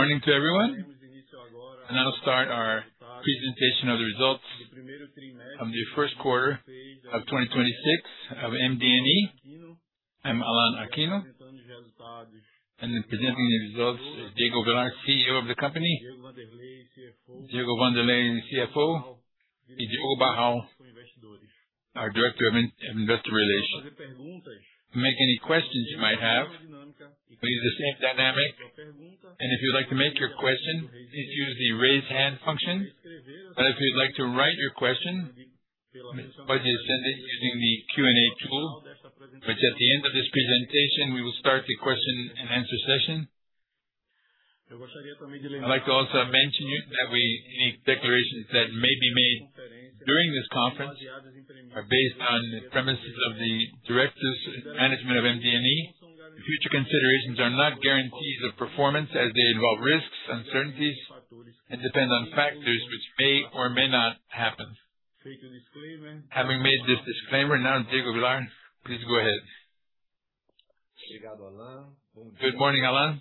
Morning to everyone. I'll start our presentation of the results of the Q1 of 2026 of MDNE. I'm Alan Aquino. Presenting the results is Diego Villar, CEO of the company, Diego Wanderley, CFO, and Diogo Barral, our Director of Investor Relations. To make any questions you might have, we use the same dynamic, and if you'd like to make your question, please use the raise hand function. If you'd like to write your question, please send it using the Q&A tool, which at the end of this presentation, we will start the question and answer session. I'd like to also mention you that any declarations that may be made during this conference are based on the premises of the directors and management of MDNE. Future considerations are not guarantees of performance as they involve risks, uncertainties, and depend on factors which may or may not happen. Having made this disclaimer, now Diego Villar, please go ahead. Good morning, Alan.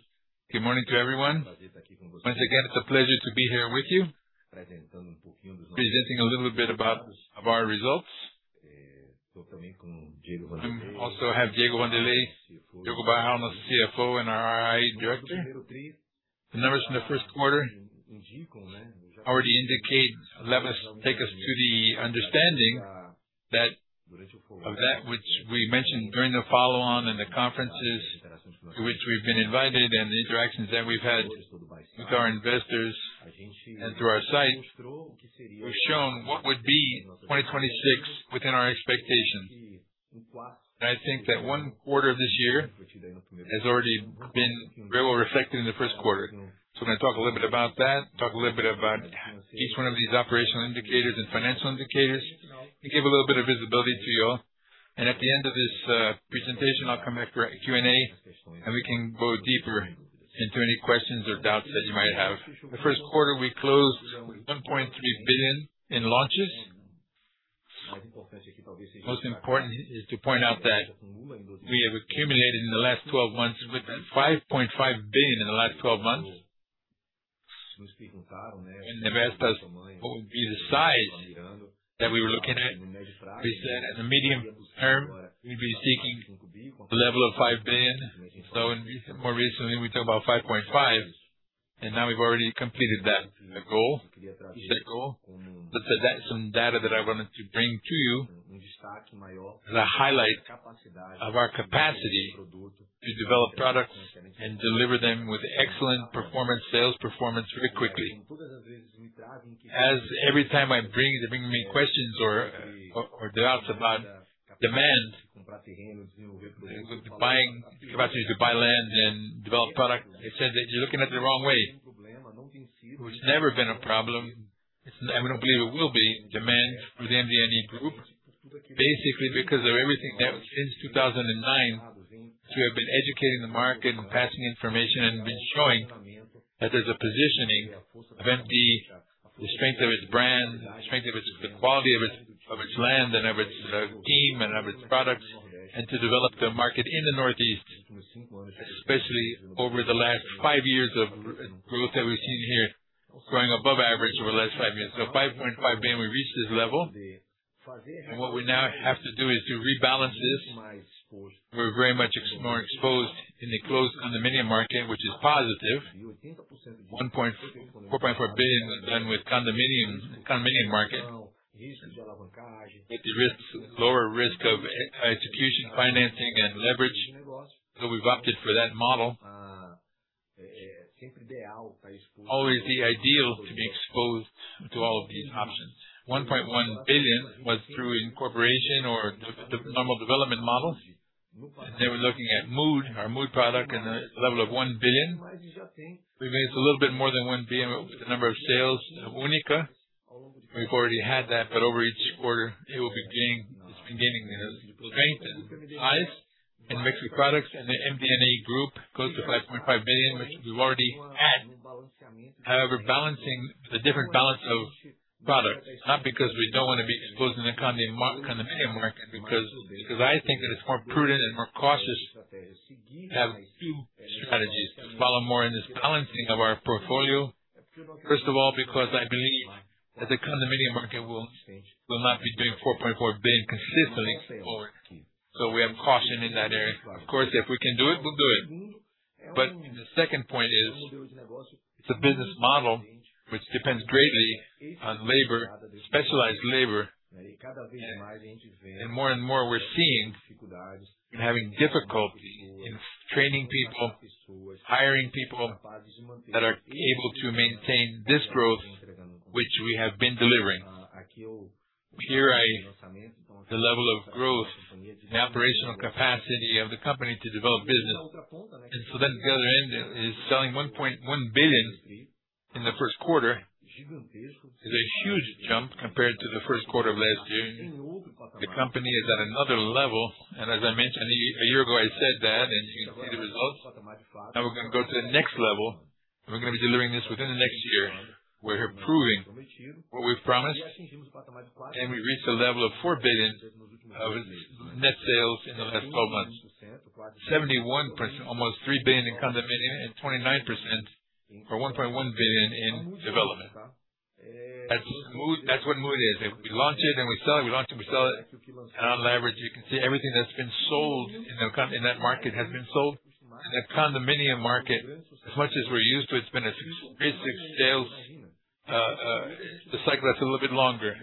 Good morning to everyone. Once again, it's a pleasure to be here with you, presenting a little bit of our results. Also have Diego Wanderley, Diogo Barral, our CFO and RI director. The numbers from the Q1 already indicate that which we mentioned during the follow-on and the conferences to which we've been invited and the interactions that we've had with our investors and through our site. We've shown what would be 2026 within our expectations. I think that one quarter of this year has already been very well reflected in the Q1. I'm going to talk a little bit about that, talk a little bit about each one of these operational indicators and financial indicators, and give a little bit of visibility to you all. At the end of this presentation, I'll come back for Q&A, and we can go deeper into any questions or doubts that you might have. The Q1, we closed 1.3 billion in launches. Most important is to point out that we have accumulated in the last 12 months with 5.5 billion. More recently, we talk about 5.5 billion, and now we've already completed that set goal. That's some data that I wanted to bring to you as a highlight of our capacity to develop products and deliver them with excellent performance, sales performance very quickly. Every time I bring, they bring me questions or doubts about demand, with capacity to buy land and develop product, they said that you're looking at the wrong way, which has never been a problem. It's I don't believe it will be demand for the MDNE group, basically because of everything that since 2009, we have been educating the market and passing information and been showing that there's a positioning of MD, the strength of its brand, the strength of its the quality of its, of its land and of its team and of its products, and to develop the market in the Northeast, especially over the last five years of growth that we've seen here, growing above average over the last five years. 5.5 billion, we reached this level. What we now have to do is to rebalance this. We're very much more exposed in the closed condominium market, which is positive. 4.4 billion done with condominium market. It risks lower risk of execution, financing, and leverage. We've opted for that model. Always the ideal to be exposed to all of these options. 1.1 billion was through incorporation or the normal development model. They were looking at Mood, our Mood product and the level of 1 billion. We made a little bit more than 1 billion with the number of sales Única. We've already had that. Over each quarter, it will be gaining strength and highs and mix of products in the MDNE group, close to 5.5 billion, which we've already had. Balancing the different balance of products, not because we don't wanna be exposed in the condominium market, because I think that it's more prudent and more cautious to have two strategies to follow more in this balancing of our portfolio. Because I believe that the condominium market will not be doing 4.4 billion consistently forward. We have caution in that area. Of course, if we can do it, we'll do it. The second point is, it's a business model which depends greatly on labor, specialized labor. More and more we're seeing and having difficulty in training people, hiring people that are able to maintain this growth, which we have been delivering. Here the level of growth and operational capacity of the company to develop business. The other end is selling 1.1 billion in the Q1 is a huge jump compared to the Q1 of last year. The company is at another level. As I mentioned, a year ago, I said that, and you can see the results. Now we're gonna go to the next level, and we're gonna be delivering what we've promised, and we reached a level of 4 billion of net sales in the last 12 months. 71%, almost 3 billion in condominium, and 29% or 1.1 billion in development. That's smooth. That's what Mood is. If we launch it, we sell it. We launch it, we sell it. On average, you can see everything that's been sold in that market has been sold. In the condominium market, as much as we're used to, it's been a basic sales cycle that's a little bit longer.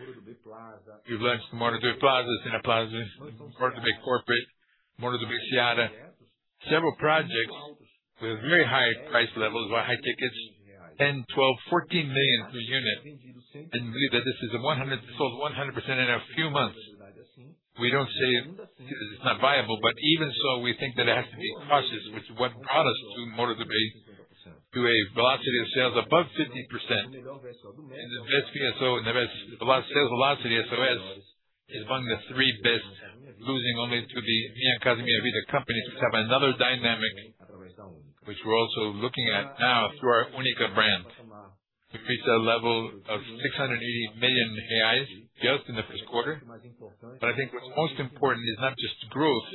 We've launched Morumbi Plaza, Sena Plaza, Morumbi Corporate, Morumbi Fiada. Several projects with very high price levels or high tickets, 10 million, 12 million, 14 million per unit. Believe that this is sold 100% in a few months. We don't say it's not viable, even so, we think that it has to be cautious, which is what brought us to Morumbi, to a velocity of sales above 50%. The best VSO and the rest, the sales velocity, VSO, is among the three best, losing only to the Minha Casa, Minha Vida companies, which have another dynamic, which we're also looking at now through our Única brand. We've reached a level of 680 million reais built in the Q1. I think what's most important is not just growth.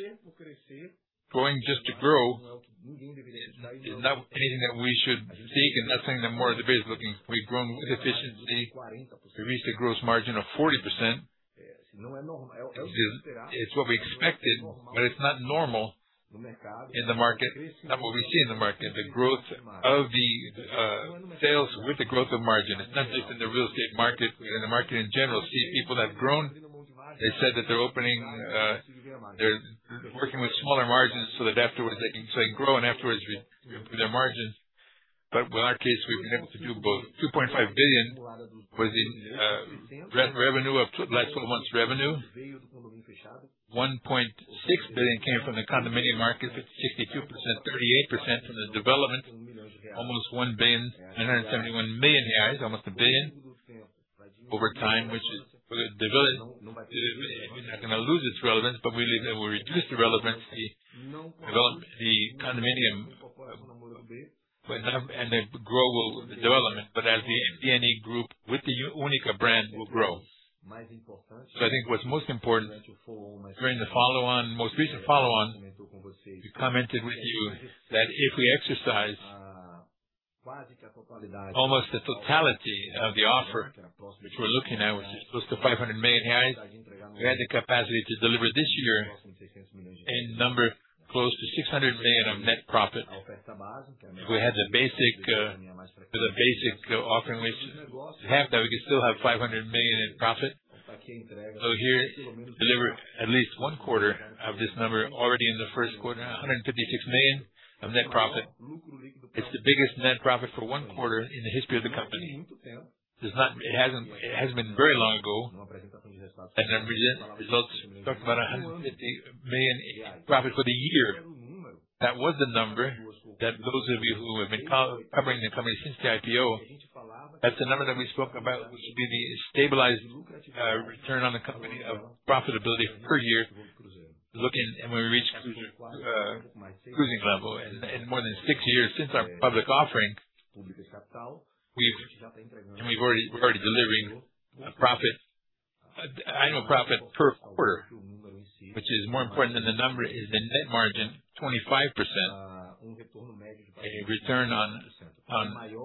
Growing just to grow is not anything that we should seek, that's something that Morumbi is looking. We've grown efficiently. We reached a gross margin of 40%. It's what we expected, it's not normal in the market, not what we see in the market. The growth of the sales with the growth of margin. It's not just in the real estate market, in the market in general. See, people have grown. They said that they're opening, they're working with smaller margins so that afterwards they can start and grow, and afterwards we improve their margins. With our case, we've been able to do both. 2.5 billion was in last 12 months revenue. 1.6 billion came from the condominium market, 62%, 38% from the development. Almost 1 billion, 971 million, almost 1 billion over time, which is the we're not going to lose its relevance, but we reduce the relevancy, develop the condominium, and the grow will development. As the MD group with the Única brand will grow. I think what's most important during the follow-on, most recent follow-on, we commented with you that if we exercise almost the totality of the offer, if we're looking at, which is close to 500 million reais, we have the capacity to deliver this year a number close to 600 million of net profit. If we had the basic, the basic offering, which half that we could still have 500 million in profit. Here, deliver at least one quarter of this number already in the Q1, 156 million of net profit. It's the biggest net profit for one quarter in the history of the company. It hasn't been very long ago. The results talked about 150 million in profit for the year. That was the number that those of you who have been covering the company since the IPO, that's the number that we spoke about, which will be the stabilized return on the company of profitability per year, looking and when we reach cruising level. More than 6 years since our public offering, we've already delivering a profit, annual profit per quarter, which is more important than the number is the net margin, 25%. A return on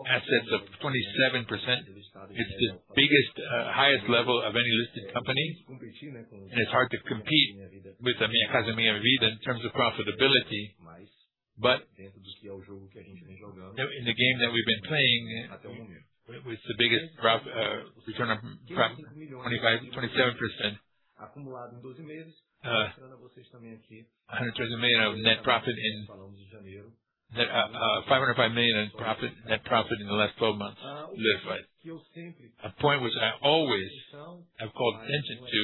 assets of 27%. It's the biggest, highest level of any listed company. It's hard to compete with the Minha Casa, Minha Vida in terms of profitability. In the game that we've been playing, with the biggest return on profit 25%, 27%. 505 million in profit, net profit in the last 12 months delivered. A point which I always have called attention to,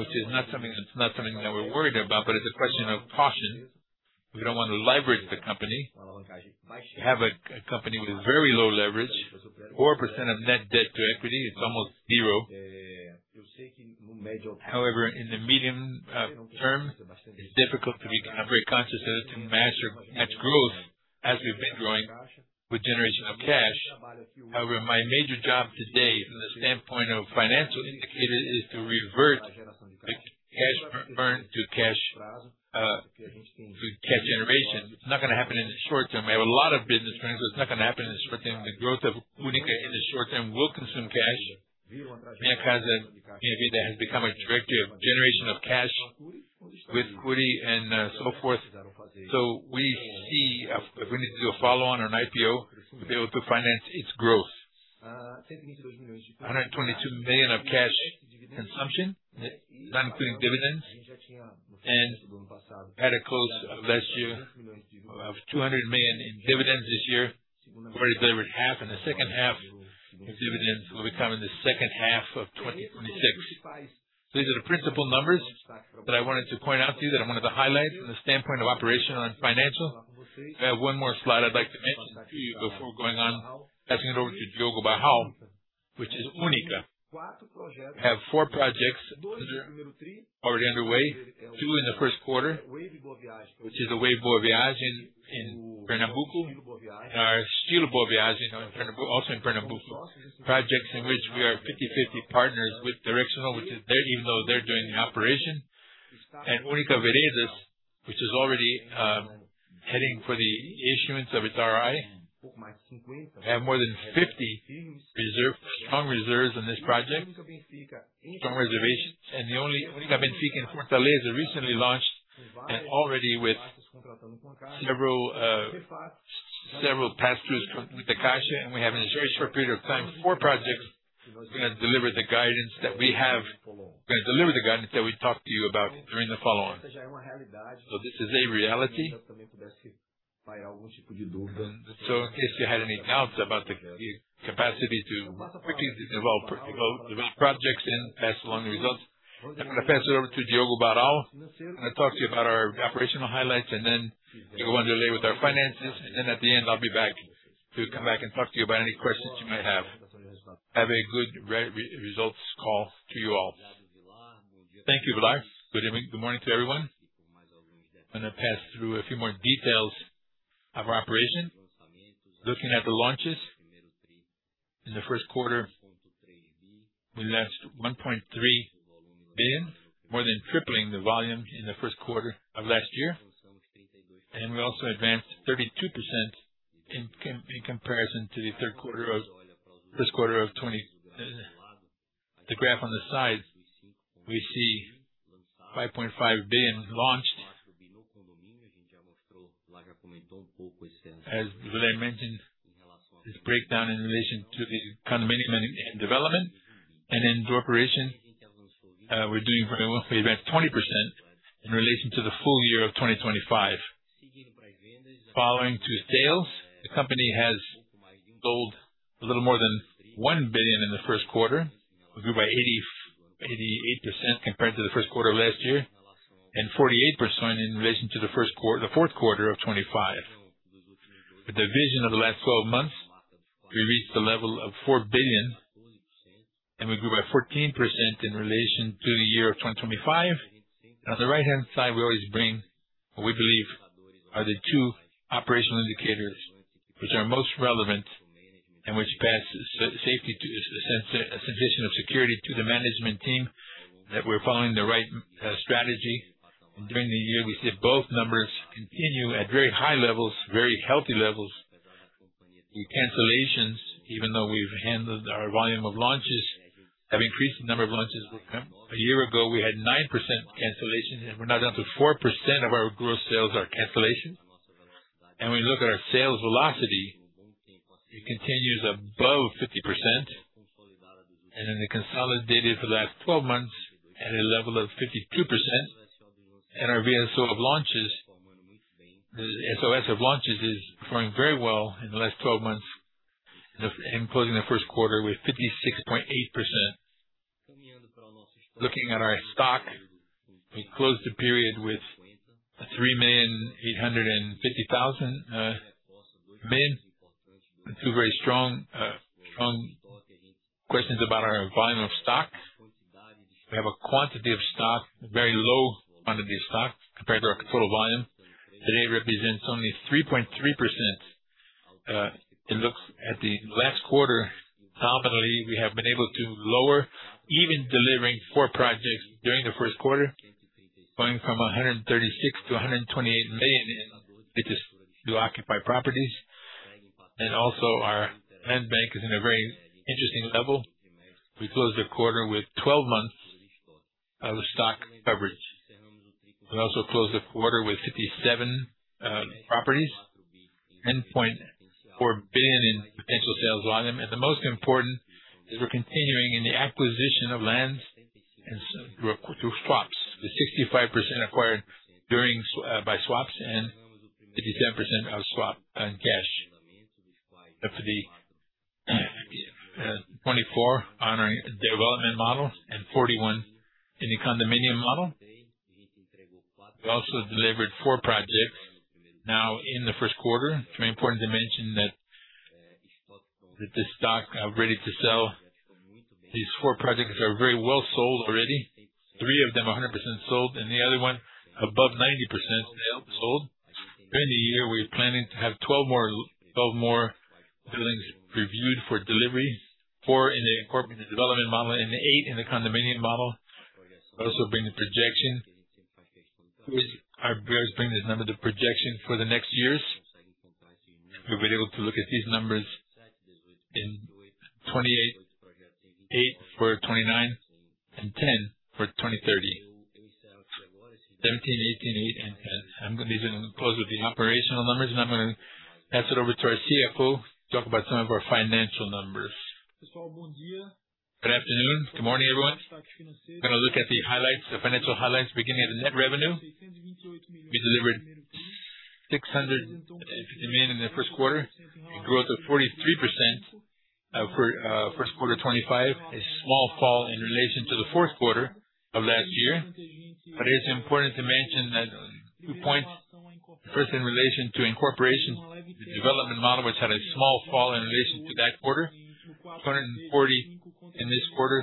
which is not something, it's not something that we're worried about, but it's a question of caution. We don't want to leverage the company, have a company with very low leverage, 4% of net debt to equity. It's almost zero. In the medium term, I'm very conscious of this, to match our net growth as we've been growing with generation of cash. My major job today, from the standpoint of financial indicator, is to revert the cash burn to cash generation. It's not gonna happen in the short term. I have a lot of business plans, but it's not gonna happen in the short term. The growth of Única in the short term will consume cash. Minha Casa has become a directive generation of cash with equity and so forth. We see if we need to do a follow-on or an IPO, to be able to finance its growth. 122 million of cash consumption, not including dividends, and had a close last year of 200 million in dividends this year. We've already delivered half. The second half of dividends will be coming the second half of 2026. These are the principal numbers that I wanted to point out to you, that I wanted to highlight from the standpoint of operational and financial. I have one more slide I'd like to mention to you before going on, passing it over to Diogo Barral, which is Única. We have four projects that are already underway. Two in the Q1, which is the Wave Boa Viagem in Pernambuco, and our Estilo Boa Viagem in Pernambuco, also in Pernambuco. Projects in which we are 50/50 partners with Direcional, even though they're doing the operation. Única Veredas, which is already heading for the issuance of its RI. We have more than 50 strong reserves in this project, strong reservations. The only Única Benfica in Fortaleza recently launched and already with several pass-throughs from, with the Caixa Econômica Federal. We have in a very short period of time, four projects. We're gonna deliver the guidance that we have. We're gonna deliver the guidance that we talked to you about during the follow-on. This is a reality. In case you had any doubts about the capacity to quickly develop projects and pass along the results. I'm gonna pass it over to Diogo Barral. He's gonna talk to you about our operational highlights, and then we'll go on to lay with our finances. At the end, I'll be back to come back and talk to you about any questions you may have. Have a good results call to you all. Thank you, Villar. Good morning to everyone. I'm gonna pass through a few more details of our operation. Looking at the launches, in the Q1 we launched 1.3 billion, more than tripling the volume in the Q1 of last year. We also advanced 32% in comparison to the Q1 of 2020. The graph on the side, we see BRL 5.5 billion launched. As Villar mentioned, this breakdown in relation to the condominium and development and in the operation, we're doing very well. We advanced 20% in relation to the full year of 2025. Following to sales, the company has sold a little more than 1 billion in the Q1. We grew by 88% compared to the Q1 of last year, and 48% in relation to the Q4 of 2025. The division of the last twelve months, we reached the level of 4 billion, we grew by 14% in relation to the year of 2025. On the right-hand side, we always bring what we believe are the two operational indicators which are most relevant and which pass a sense, a sensation of security to the management team that we're following the right strategy. During the year, we see both numbers continue at very high levels, very healthy levels. The cancellations, even though we've handled our volume of launches, have increased the number of launches. A year ago, we had 9% cancellations, we're now down to 4% of our gross sales are cancellations. We look at our sales velocity, it continues above 50%, the consolidated for the last twelve months at a level of 52%. Our VSO of launches, the VSO of launches is performing very well in the last 12 months and closing the Q1 with 56.8%. Looking at our stock, we closed the period with 3,850,000. Two very strong questions about our volume of stock. We have a quantity of stock, very low quantity of stock compared to our total volume. Today represents only 3.3%. It looks at the last quarter, dominantly we have been able to lower even delivering four projects during the Q1, going from 136 to 128 million in which is to occupy properties. Also our land bank is in a very interesting level. We closed the quarter with 12 months of stock coverage. We also closed the quarter with 57 properties and 0.4 billion in potential sales volume. The most important is we're continuing in the acquisition of lands through swaps. The 65% acquired during by swaps and 57% of swap and cash up to the 24 on our development model and 41 in the condominium model. We also delivered four projects now in the Q1. It's very important to mention that the stock are ready to sell. These four projects are very well sold already. Three of them are 100% sold, and the other one above 90% sold. During the year, we're planning to have 12 more buildings reviewed for delivery, four in the corporate development model and eight in the condominium model. We also bring the projection with our bears, bring the number, the projection for the next years. We've been able to look at these numbers in 28, 8 for 29 and 10 for 2030. 17, 18, 8 and 10. I'm gonna leave it and close with the operational numbers, and I'm gonna pass it over to our CFO to talk about some of our financial numbers. Good afternoon, good morning, everyone. I'm gonna look at the highlights, the financial highlights, beginning at the net revenue. We delivered 650 million in the Q1. A growth of 43% for Q1 2025. A small fall in relation to the Q4 of last year. It is important to mention that two points. First, in relation to incorporation, the development model, which had a small fall in relation to that quarter, 240 in this quarter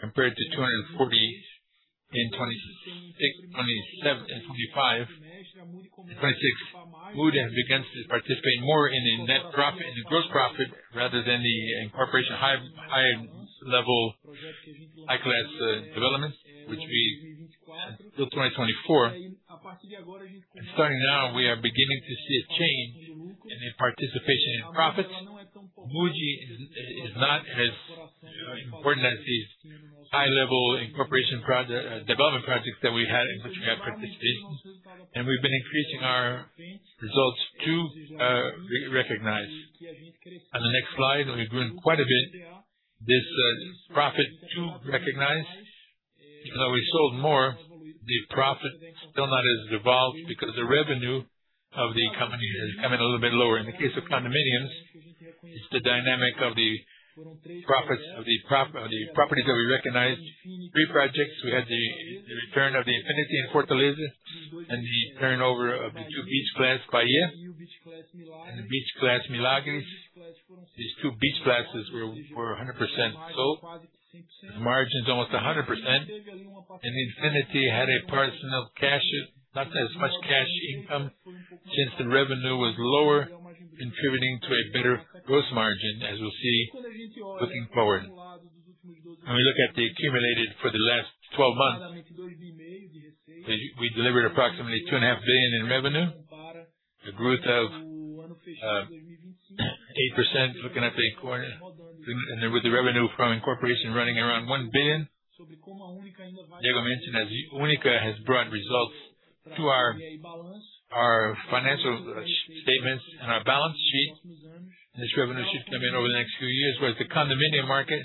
compared to 240 in 2026, 2027 and 2025. In 2026, Mood has begun to participate more in the net profit, in the gross profit rather than the incorporation high-level, high-class developments, which we until 2024. Starting now, we are beginning to see a change in the participation in profits. Mood is not as important as these high-level incorporation development projects that we had in which we had participation. We've been increasing our results to re-recognize. On the next slide, we've grown quite a bit this profit to recognize. We sold more, the profit still not as evolved because the revenue of the company has come in a little bit lower. In the case of condominiums, it's the dynamic of the profits of the properties that we recognized. Three projects, we had the return of the Infinity in Fortaleza and the turnover of the two Beach Class Bahia and the Beach Class Milagres. These two beach classes were 100% sold. The margin's almost 100%. Infinity had a partial cash, not as much cash income since the revenue was lower, contributing to a better gross margin as we'll see looking forward. When we look at the accumulated for the last 12 months, we delivered approximately 2.5 billion in revenue, a growth of 8% looking at the quarter. With the revenue from incorporation running around 1 billion. Diego mentioned as Única has brought results to our financial statements and our balance sheet. This revenue shift coming over the next few years, whereas the condominium market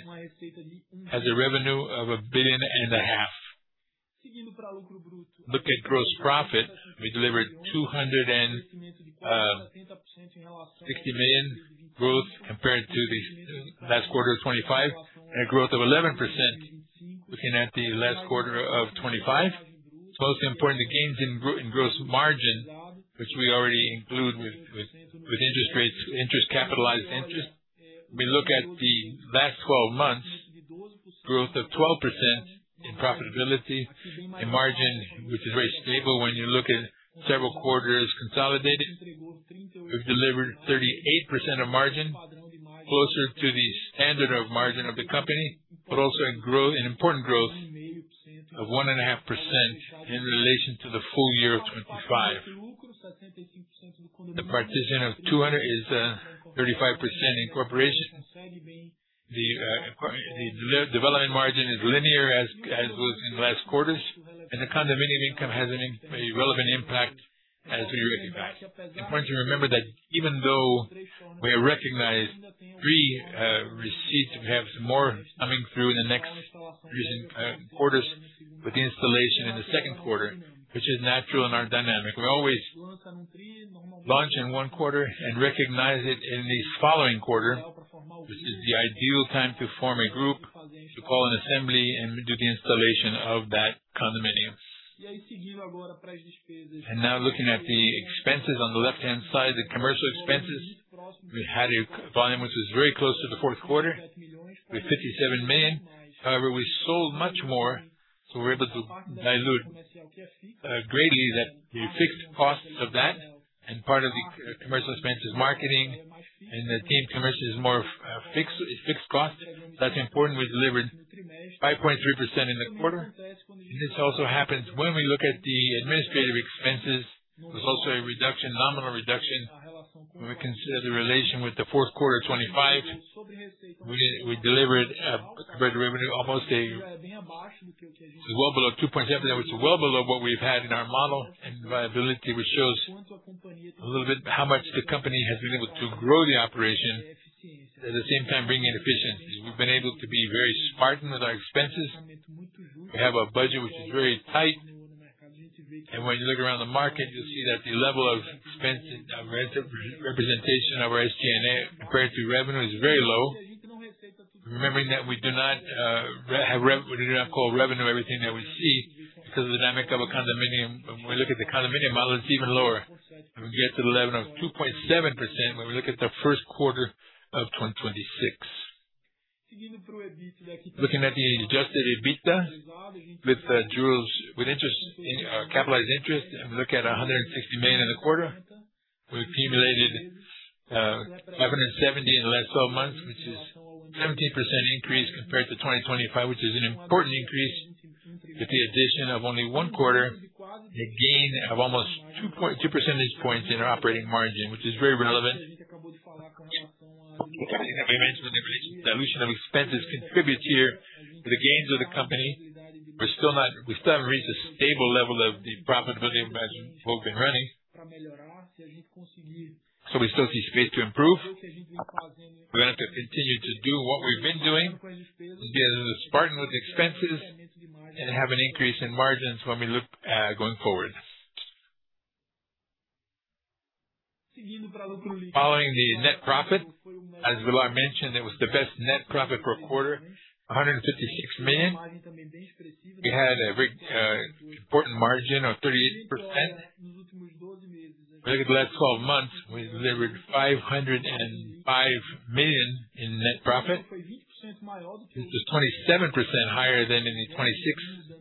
has a revenue of 1.5 billion. Look at gross profit. We delivered 260 million growth compared to the last quarter of 2025, and a growth of 11% looking at the last quarter of 2025. It's most important, the gains in gross margin, which we already include with interest rates, capitalized interest. We look at the last 12 months, growth of 12% in profitability. In margin, which is very stable when you look at several quarters consolidated. We've delivered 38% of margin closer to the standard of margin of the company, but also a growth, an important growth of 1.5% in relation to the full year of 2025. The partition of 200 is 35% incorporation. The development margin is linear as it was in the last quarters, and the condominium income has a relevant impact as we recognize. It's important to remember that even though we have recognized three receipts, we have some more coming through in the next recent quarters with the installation in the Q2, which is natural in our dynamic. We always launch in one quarter and recognize it in the following quarter, which is the ideal time to form a group, to call an assembly, and do the installation of that condominium. Now looking at the expenses on the left-hand side, the commercial expenses, we had a volume which was very close to the Q4 with 57 million. However, we sold much more, so we were able to dilute greatly that the fixed costs of that and part of the commercial expenses marketing and the team commercial is more fixed, it's fixed costs. That's important. We delivered 5.3% in the quarter. This also happens when we look at the administrative expenses. There's also a reduction, nominal reduction when we consider the relation with the Q4 of 2025. We delivered a compared revenue almost it's well below 2.7%. That was well below what we've had in our model and viability, which shows a little bit how much the company has been able to grow the operation, at the same time bringing efficiency. We've been able to be very smart with our expenses. We have a budget which is very tight. When you look around the market, you'll see that the level of expense, representation of our SG&A compared to revenue is very low. Remembering that we do not call revenue everything that we see because of the dynamic of a condominium. When we look at the condominium model, it's even lower. We get to the level of 2.7% when we look at the Q1 of 2026. Looking at the adjusted EBITDA with interest, capitalized interest, we look at 160 million in the quarter. We've accumulated 770 in the last 12 months, which is a 17% increase compared to 2025, which is an important increase with the addition of only one quarter and a gain of almost 2 percentage points in our operating margin, which is very relevant. Everything that we mentioned with relation to dilution of expenses contributes here to the gains of the company. We still haven't reached a stable level of the profitability margin up and running. We still see space to improve. We're gonna have to continue to do what we've been doing and be as smart with expenses and have an increase in margins when we look going forward. Following the net profit, as Villar mentioned, it was the best net profit per quarter, 156 million. We had a very important margin of 38%. If you look at the last 12 months, we delivered 505 million in net profit, which is 27% higher than in the 2026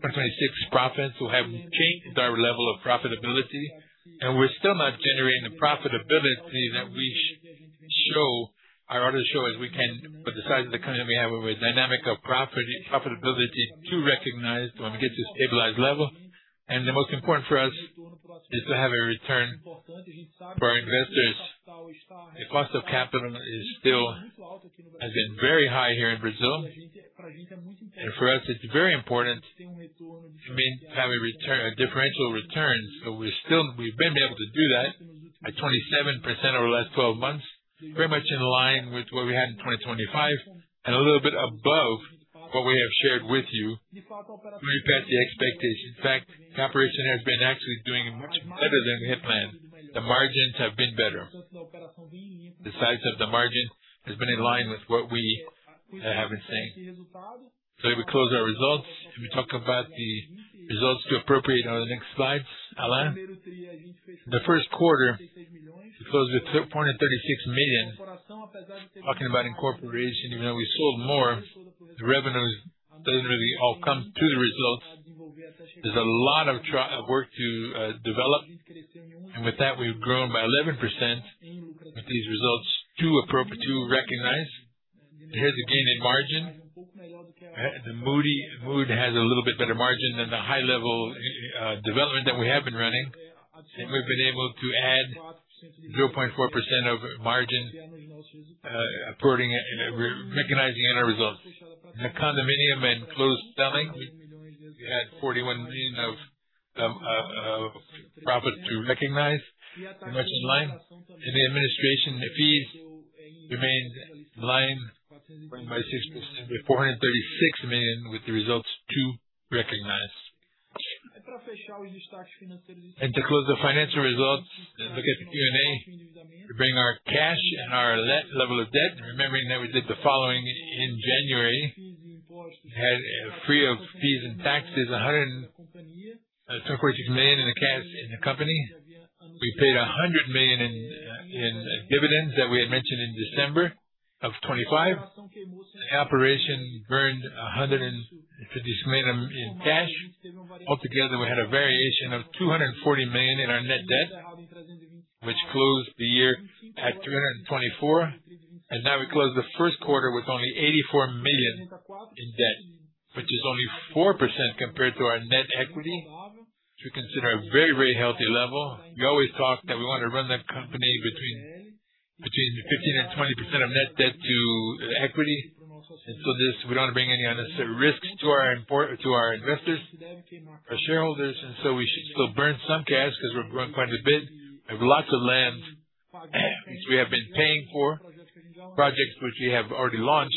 profits who have changed our level of profitability. We're still not generating the profitability that we are already showing as we can with the size of the company we have, with a dynamic of profitability to recognize when we get to a stabilized level. The most important for us is to have a return for our investors. The cost of capital has been very high here in Brazil. For us, it's very important to have a return, a differential return. We've been able to do that at 27% over the last 12 months, very much in line with what we had in 2025 and a little bit above what we have shared with you. We passed the expectation. In fact, the operation has been actually doing much better than we had planned. The margins have been better. The size of the margin has been in line with what we have been saying. We close our results, and we talk about the results to appropriate on the next slide. Alan? The Q1, we closed with 23.6 million. Talking about incorporation, even though we sold more, the revenues doesn't really all come to the results. There's a lot of work to develop. With that, we've grown by 11% with these results to recognize. Here's the gain in margin. The Mood has a little bit better margin than the high level development that we have been running. We've been able to add 0.4% of margin, reporting, re-recognizing in our results. In the condominium and closed selling, we had 41 million of profit to recognize, much in line. In the administration fees remains in line, 25.6%, with 436 million, with the results to recognize. To close the financial results and look at the Q&A, we bring our cash and our level of debt, remembering that we did the following in January. Had free of fees and taxes, 102.6 million in the cash in the company. We paid 100 million in dividends that we had mentioned in December of 2025. The operation earned 150 million in cash. Altogether, we had a variation of 240 million in our net debt, which closed the year at 324 million. Now we close the Q1 with only 84 million in debt, which is only 4% compared to our net equity, which we consider a very healthy level. We always talk that we want to run the company between 15% and 20% of net debt to equity. This, we don't bring any unnecessary risks to our investors, our shareholders. We should still burn some cash because we've grown quite a bit. We have lots of land, which we have been paying for, projects which we have already launched,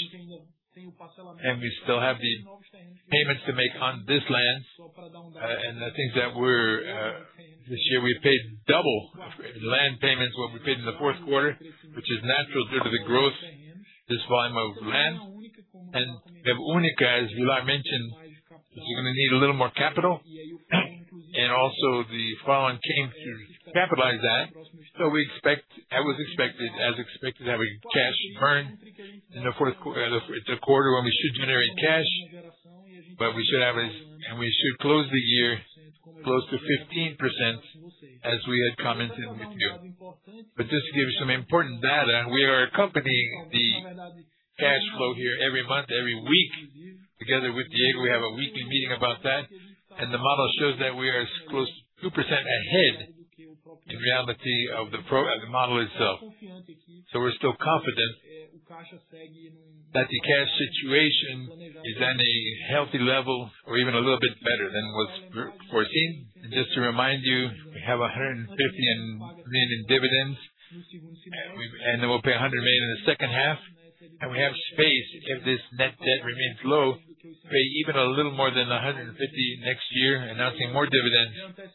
and we still have the payments to make on this land. The things that we're, this year, we paid 2x land payments what we paid in the Q4, which is natural due to the growth, this volume of land. The Única, as Villar mentioned, is gonna need a little more capital, and also the follow-on came to capitalize that. We expect as expected, having cash burn in the Q4 when we should generate cash. We should close the year close to 15%, as we had commented with you. Just to give you some important data, we are accompanying the cash flow here every month, every week, together with Diego. We have a weekly meeting about that. The model shows that we are as close to 2% ahead in reality of the model itself. We're still confident that the cash situation is at a healthy level or even a little bit better than was foreseen. Just to remind you, we have 150 million in dividends. We'll pay 100 million in the second half. We have space, if this net debt remains low, to pay even a little more than 150 next year, announcing more dividends.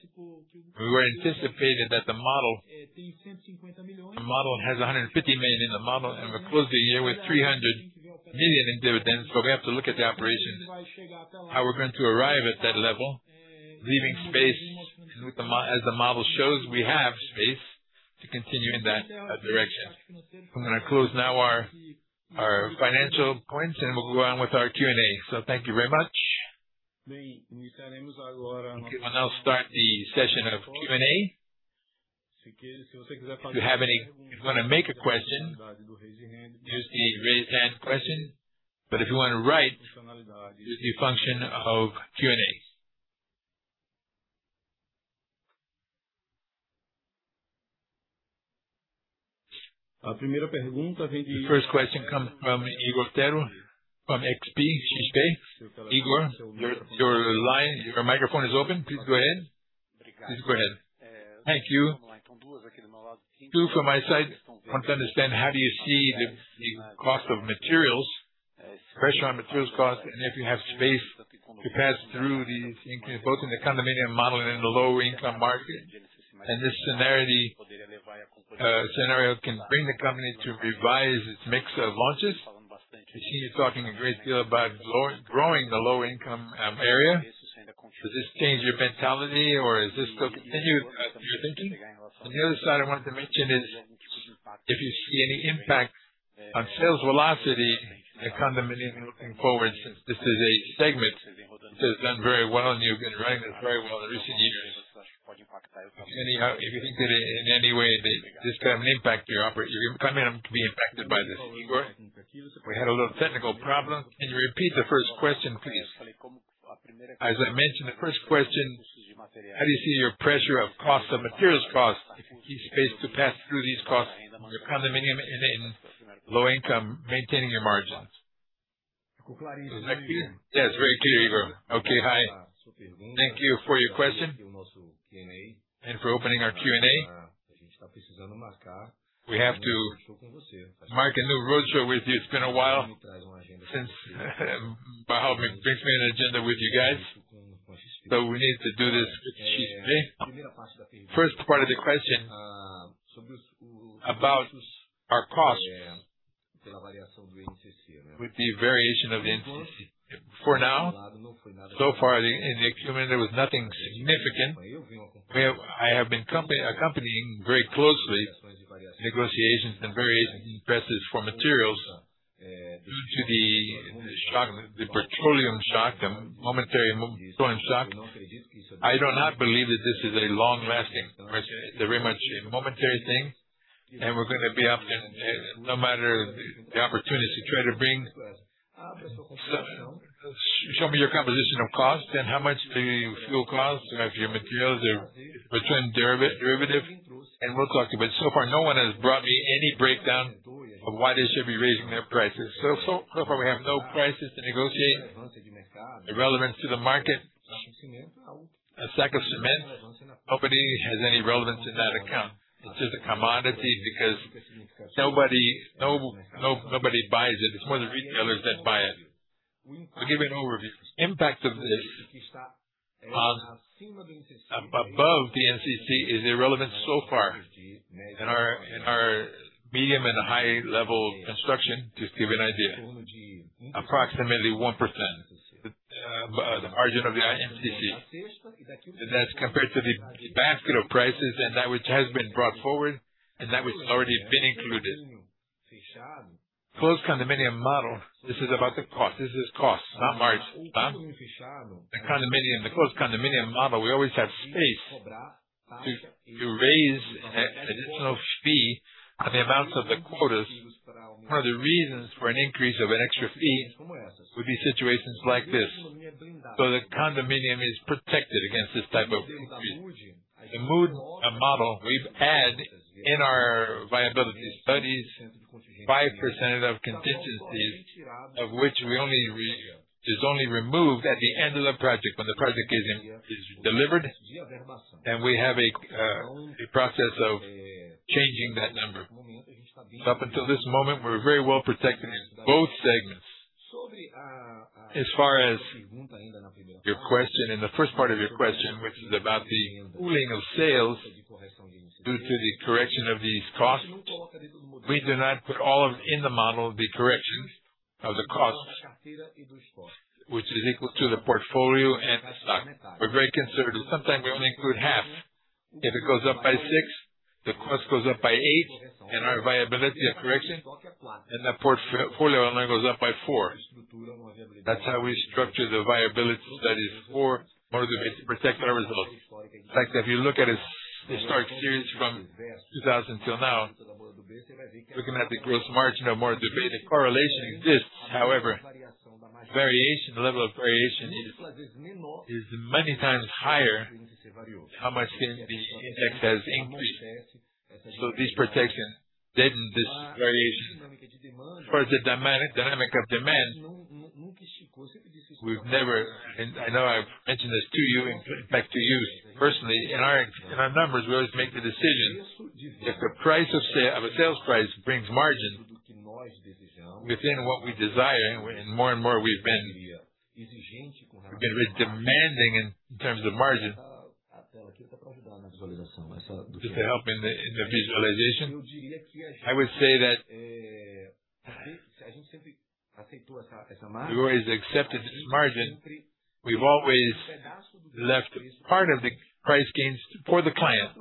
We were anticipated that the model, the model has 150 million in the model, and we're closing the year with 300 million in dividends. We have to look at the operations, how we're going to arrive at that level, leaving space. As the model shows, we have space to continue in that direction. I'm going to close now our financial points, and we'll go on with our Q&A. Thank you very much. Okay. We'll now start the session of Q&A. If you want to make a question, use the raise hand question. If you want to write, use the function of Q&A. The first question comes from Ygor Otero from XP. XP. Ygor, your line, your microphone is open. Please go ahead. Please go ahead. Thank you. Two from my side. Want to understand how do you see the cost of materials pressure on materials cost, and if you have space to pass through these increase, both in the condominium model and in the lower income market. This scenario can bring the company to revise its mix of launches. We've seen you talking a great deal about growing the low income area. Does this change your mentality or is this still continue your thinking? On the other side, I wanted to mention is if you see any impact on sales velocity in the condominium looking forward, since this is a segment which has done very well, and you've been running this very well in recent years. Anyhow, if you think that in any way that this can have an impact to your company to be impacted by this. Ygor, we had a little technical problem. Can you repeat the first question, please? As I mentioned, the first question, how do you see your pressure of cost of materials cost, if you keep space to pass through these costs on your condominium and in low income, maintaining your margins? Yes, very clear, Ygor. Okay. Hi. Thank you for your question and for opening our Q&A. We have to mark a new roadshow with you. It's been a while since Barral brings me an agenda with you guys, so we need to do this strategically. First part of the question about our costs with the variation of the INCC. For now, so far, in the Acumen, there was nothing significant. I have been accompanying very closely negotiations and various presses for materials due to the shock, the petroleum shock and momentary shock. I do not believe that this is a long lasting, it's a very much a momentary thing, and we're gonna be updating, no matter the opportunity to try to show me your composition of costs and how much the fuel costs of your materials are between derivative, and we'll talk. So far, no one has brought me any breakdown of why they should be raising their prices. So far, we have no prices to negotiate. Irrelevant to the market. A sack of cement, nobody has any relevance in that account. It's just a commodity because nobody buys it. It's more the retailers that buy it. I'll give you an overview. Impact of this above the INCC is irrelevant so far in our medium and high level construction. Just give an idea. Approximately 1%, the margin of the INCC. That's compared to the basket of prices and that which has been brought forward and that which already been included. Closed condominium model, this is about the cost. This is cost, not margin. The condominium, the closed condominium model, we always have space to raise an additional fee on the amounts of the quotas. One of the reasons for an increase of an extra fee would be situations like this. The condominium is protected against this type of increase. The Mood model we've had in our viability studies, 5% of contingency of which is only removed at the end of the project when the project is delivered, and we have a process of changing that number. Up until this moment, we're very well protected in both segments. As far as your question, in the first part of your question, which is about the pooling of sales due to the correction of these costs, we do not put all of in the model, the corrections of the costs, which is equal to the portfolio and the stock. We're very conservative. Sometimes we only include half. If it goes up by six, the cost goes up by eight, and our viability of correction in the portfolio only goes up by four. That's how we structure the viability studies for Moura Dubeux to protect our results. In fact, if you look at a historic series from 2,000 till now, looking at the gross margin of Moura Dubeux, the correlation exists. Variation, the level of variation is many times higher how much than the index has increased. This variation. As far as the dynamic of demand, we've never, and I know I've mentioned this to you, in fact, to you personally, in our, in our numbers, we always make the decision. If the price of a sales price brings margin within what we desire, and more and more we've been re-demanding in terms of margin. Just to help in the visualization. I would say that we've always accepted this margin. We've always left part of the price gains for the client.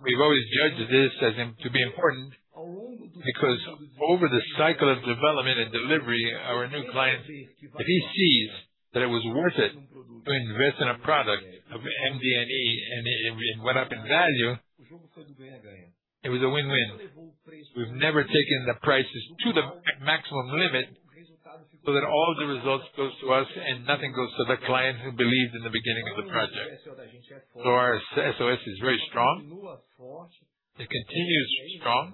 We've always judged this as to be important because over the cycle of development and delivery, our new client, if he sees that it was worth it to invest in a product of MDNE and it went up in value, it was a win-win. We've never taken the prices to the maximum limit, so that all the results goes to us and nothing goes to the client who believed in the beginning of the project. Our VSO is very strong. It continues strong.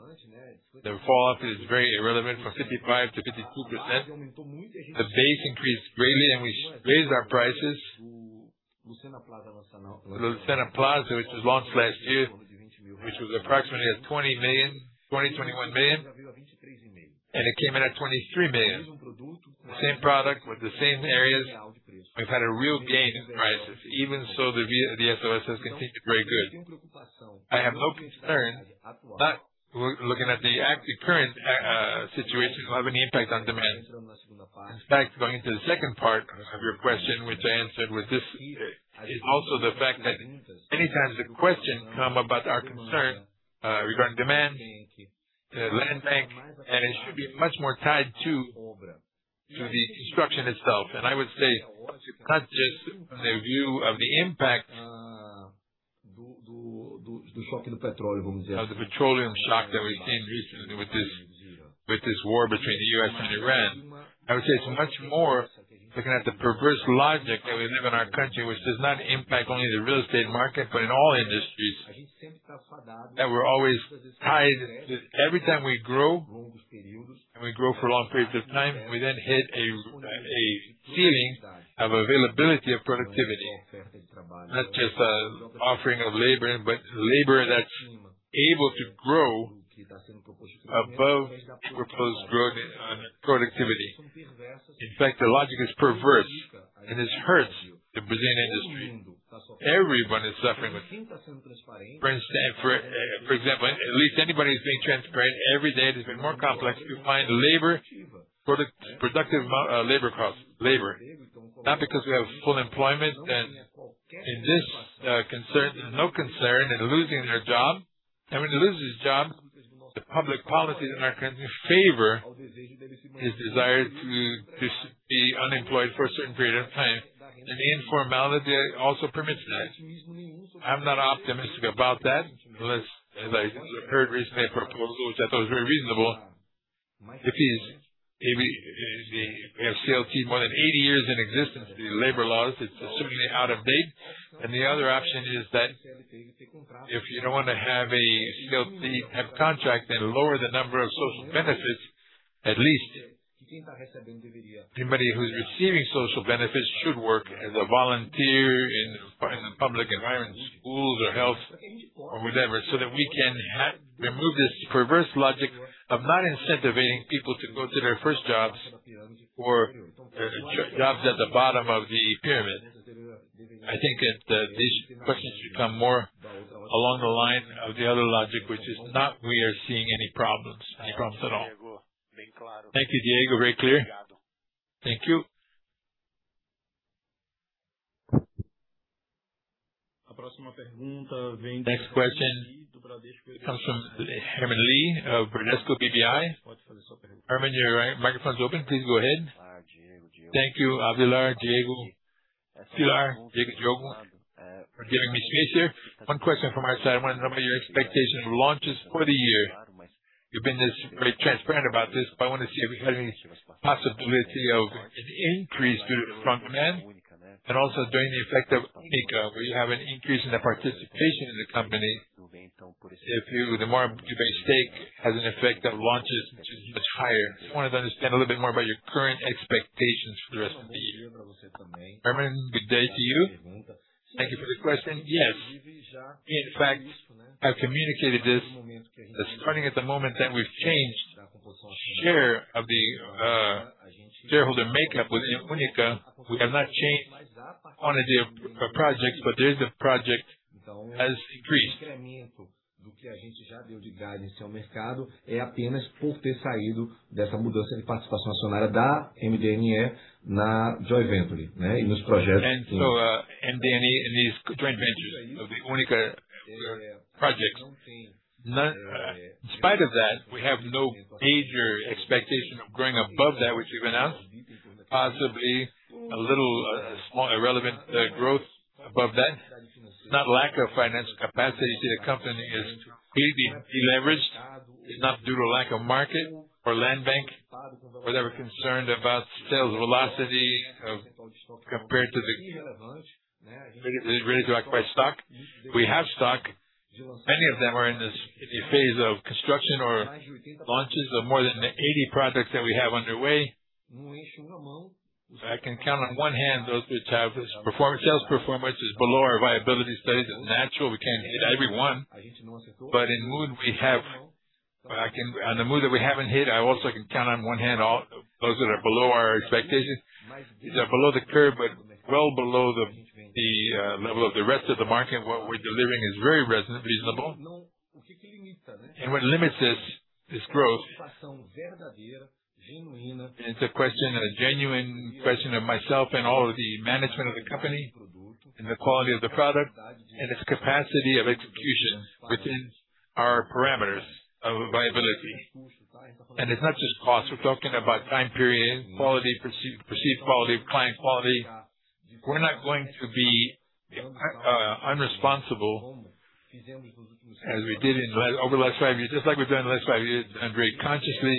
The fallout is very irrelevant, from 55%-52%. The base increased greatly and we raised our prices. Lucena Plaza, which was launched last year, which was approximately at 20 million, 21 million, and it came in at 23 million. The same product with the same areas, we've had a real gain in prices. Even so, the VSO has continued to break good. I have no concern, not looking at the current situation will have any impact on demand. In fact, going into the second part of your question, which I answered was this, is also the fact that many times the question come about our concern regarding demand, land bank, and it should be much more tied to the construction itself. I would say, not just from the view of the impact of the petroleum shock that we've seen recently with this, with this war between the US and Iran. I would say it's much more looking at the perverse logic that we live in our country, which does not impact only the real estate market, but in all industries, that we're always tied with every time we grow, and we grow for long periods of time, we then hit a ceiling of availability of productivity. Not just offering of labor, but labor that's able to grow above proposed growth productivity. In fact, the logic is perverse, and this hurts the Brazilian industry. Everyone is suffering with it. For example, at least anybody who's being transparent, every day it has been more complex to find productive labor costs, labor. Not because we have full employment and in this concern, there's no concern in losing their job. When they lose this job, the public policies in our country favor this desire to be unemployed for a certain period of time. The informality also permits that. I'm not optimistic about that unless, as I heard recently a proposal which I thought was very reasonable, if CLT more than 80 years in existence, the labor laws, it's extremely out of date. The other option is that if you don't wanna have a CLT, have contract, then lower the number of social benefits. At least anybody who's receiving social benefits should work as a volunteer in the public environment, schools or health or whatever, so that we can remove this perverse logic of not incentivizing people to go to their first jobs or jobs at the bottom of the pyramid. I think these questions should come more along the line of the other logic, which is not we are seeing any problems at all. Thank you, Diego. Very clear. Thank you. Next question comes from Herman Lee of Bradesco BBI. Herman, your microphone's open. Please go ahead. Thank you, Abdalar, Diego, Abdalar, Diego, for giving me space here. One question from our side. I wanna know about your expectation of launches for the year. You've been this very transparent about this. I wanna see if we have any possibility of an increase due to strong demand. Also during the effect of Única, where you have an increase in the participation in the company. The more you raise stake has an effect of launches which is much higher. Just wanted to understand a little bit more about your current expectations for the rest of the year. Herman, good day to you. Thank you for the question. Yes. In fact, I've communicated this, that starting at the moment that we've changed share of the shareholder makeup with the Única, we have not changed quantity of projects. There is a project as agreed. In these joint ventures of the Única projects. In spite of that, we have no major expectation of growing above that which we've announced. Possibly a little, small irrelevant, growth above that. It's not lack of financial capacity. You see, the company is completely de-leveraged. It's not due to lack of market or land bank. We're never concerned about sales velocity compared to the biggest ready to occupy stock. We have stock. Many of them are in the phase of construction or launches of more than 80 projects that we have underway. If I can count on 1 hand those which have this performance, sales performance is below our viability studies. It's natural, we can't hit every one. On the Mood that we haven't hit, I also can count on 1 hand all those that are below our expectations. These are below the curve, well below the level of the rest of the market. What we're delivering is very reasonable. What limits this growth is a question, a genuine question of myself and all of the management of the company, and the quality of the product, and its capacity of execution within our parameters of viability. It's not just cost. We're talking about time period, quality, perceived quality of client quality. We're not going to be unresponsible as we did over the last five years, just like we've done the last five years, and very consciously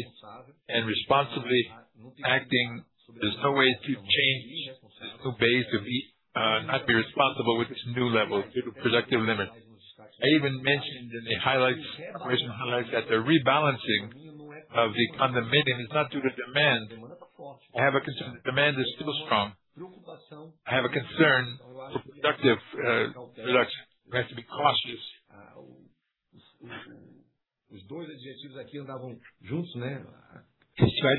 and responsibly acting. There's no way to change. There's no ways to be not be responsible with this new level due to productive limits. I even mentioned in the highlights, operational highlights that the rebalancing of the condominium is not due to demand. I have a concern. The demand is still strong. I have a concern for productive reduction. We have to be cautious. Try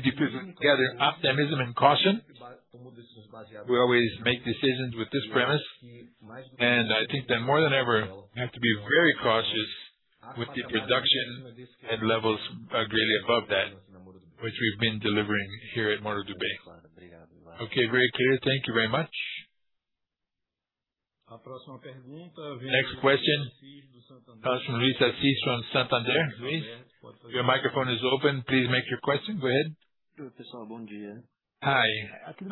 to put together optimism and caution. We always make decisions with this premise, I think that more than ever, we have to be very cautious with the production at levels greatly above that, which we've been delivering here at Morro do Banco. Okay, very clear. Thank you very much. Next question comes from Luis Assisto on Santander. Your microphone is open. Please make your question. Go ahead. Hi. Good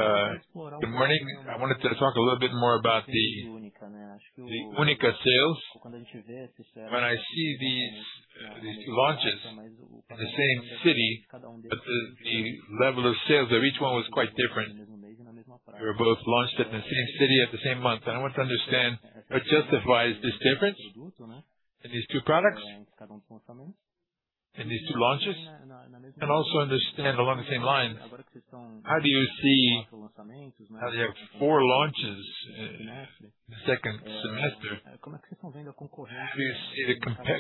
morning. I wanted to talk a little bit more about the Única sales. I see these launches in the same city, but the level of sales of each one was quite different. They were both launched in the same city at the same month, and I want to understand what justifies this difference in these two products, in these two launches, and also understand along the same lines, how do you see. Now they have four launches in the second semester. How do you see the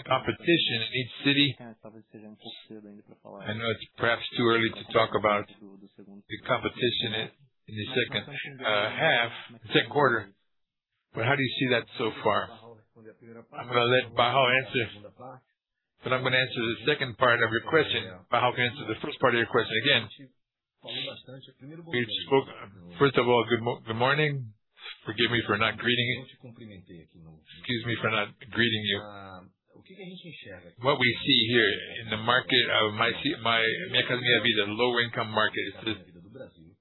competition in each city? I know it's perhaps too early to talk about the competition in the second half, second quarter, how do you see that so far? I'm gonna let Paulo answer, but I'm gonna answer the second part of your question. Paulo can answer the first part of your question. We spoke. First of all, good morning. Forgive me for not greeting you. Excuse me for not greeting you. What we see here in the market of Minha Casa, Minha Vida, lower income market,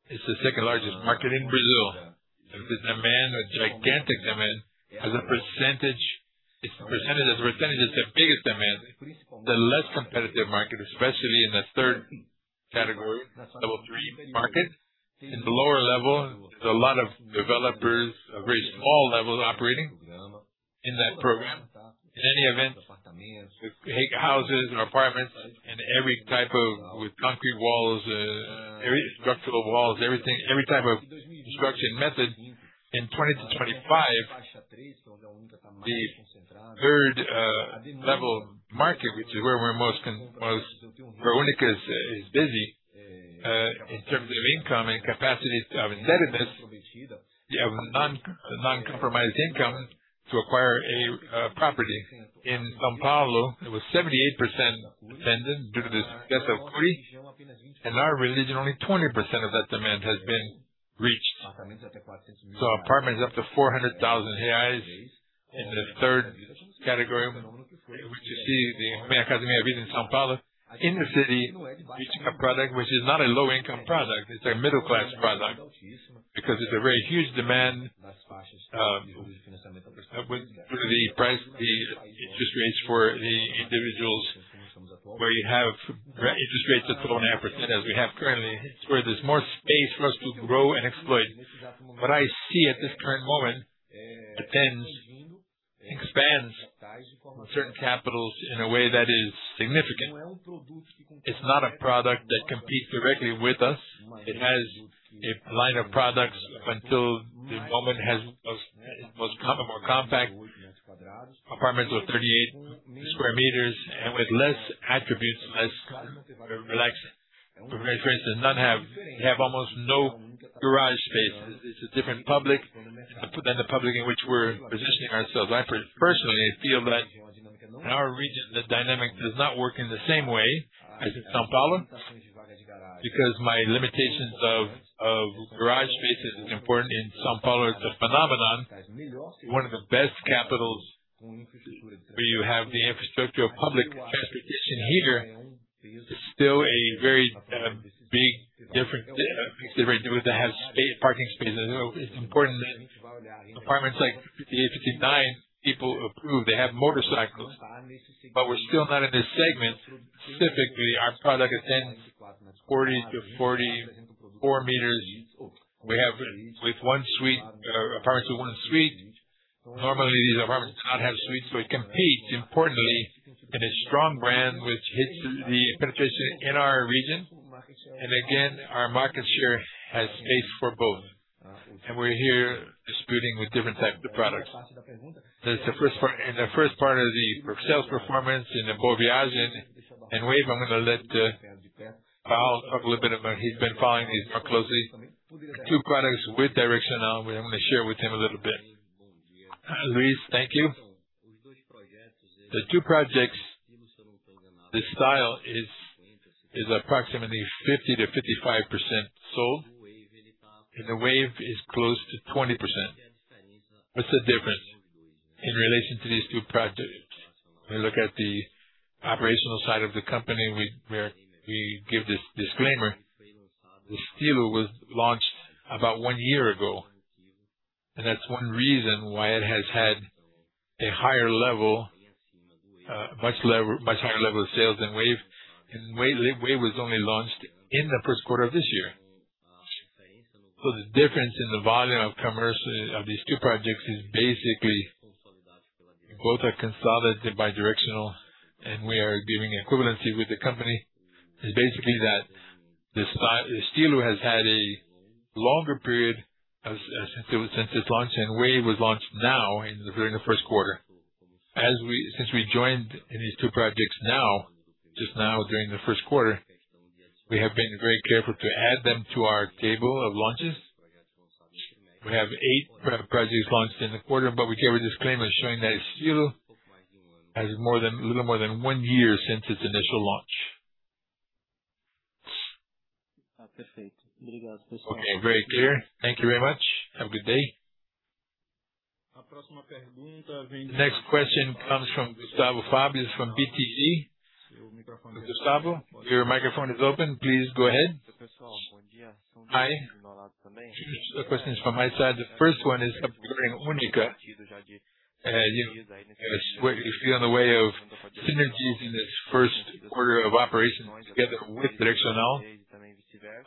it's the second-largest market in Brazil. It's a demand, a gigantic demand. As a percentage, it's percentage, as a percentage, it's the biggest demand. The less competitive market, especially in the third category, level 3 market. In the lower level, there's a lot of developers of very small levels operating in that program. In any event, big houses or apartments and every type of with concrete walls, every structural walls, everything, every type of construction method. In 2020-2025, the 3rd level market, which is where we're most where Única is busy, in terms of income and capacity of indebtedness of non-compromised income to acquire a property. In São Paulo, it was 78% attended due to this SL 3. In our region, only 20% of that demand has been reached. Apartments up to 400,000 reais in the third category, in which you see the Minha Casa, Minha Vida in São Paulo, in the city, reaching a product which is not a low-income product, it's a middle-class product because it's a very huge demand, with the price, the interest rates for the individuals where you have interest rates at 4.5% as we have currently. It's where there's more space for us to grow and exploit. What I see at this current moment attends, expands certain capitals in a way that is significant. It's not a product that competes directly with us. It has a line of products up until the moment was a more compact. Apartments of 38 sq m and with less attributes, less relaxing. For instance, none have almost no garage space. It's a different public than the public in which we're positioning ourselves. I personally feel that in our region, the dynamic does not work in the same way as in São Paulo because my limitations of garage spaces is important. In São Paulo, it's a phenomenon. One of the best capitals where you have the infrastructure of public transportation. Here, it's still a very big difference considering to have parking spaces. It's important that apartments like 58, 59 people approve. They have motorcycles. We're still not in this segment. Specifically, our product attends 40 to 44 meters. We have with one suite, apartments with one suite. It competes importantly in a strong brand which hits the penetration in our region. Again, our market share has space for both. We're here disputing with different types of products. That's the first part. In the first part of the sales performance in the Boa Viagem and Wave, I'm gonna let Eduardo Moura talk a little bit about. He's been following these more closely. Two products with Direcional. I'm gonna share with him a little bit. Luis Assisto, thank you. The two projects, the Estilo Boa Viagem is approximately 50%-55% sold, and the Wave is close to 20%. What's the difference in relation to these two projects? When we look at the operational side of the company, we give this disclaimer. The Stilo was launched about one year ago, and that's one reason why it has had a much higher level of sales than Wave. Wave was only launched in the 1st quarter of this year. The difference in the volume of commerce of these two projects is basically both are consolidated Direcional, and we are giving equivalency with the company. It's basically that the Stilo has had a longer period since its launch, and Wave was launched now during the 1st quarter. Since we joined in these 2 projects now, just now during the 1st quarter, we have been very careful to add them to our table of launches. We have eight projects launched in the quarter, but we gave a disclaimer showing that Stilo Boa Viagem has more than, a little more than one year since its initial launch. Okay. Very clear. Thank you very much. Have a good day. The next question comes from Gustavo Fabius from BTG. Gustavo, your microphone is open. Please go ahead. Hi. Two questions from my side. The 1st one is regarding Única. What you feel in the way of synergies in this 1st quarter of operations together with Direcional,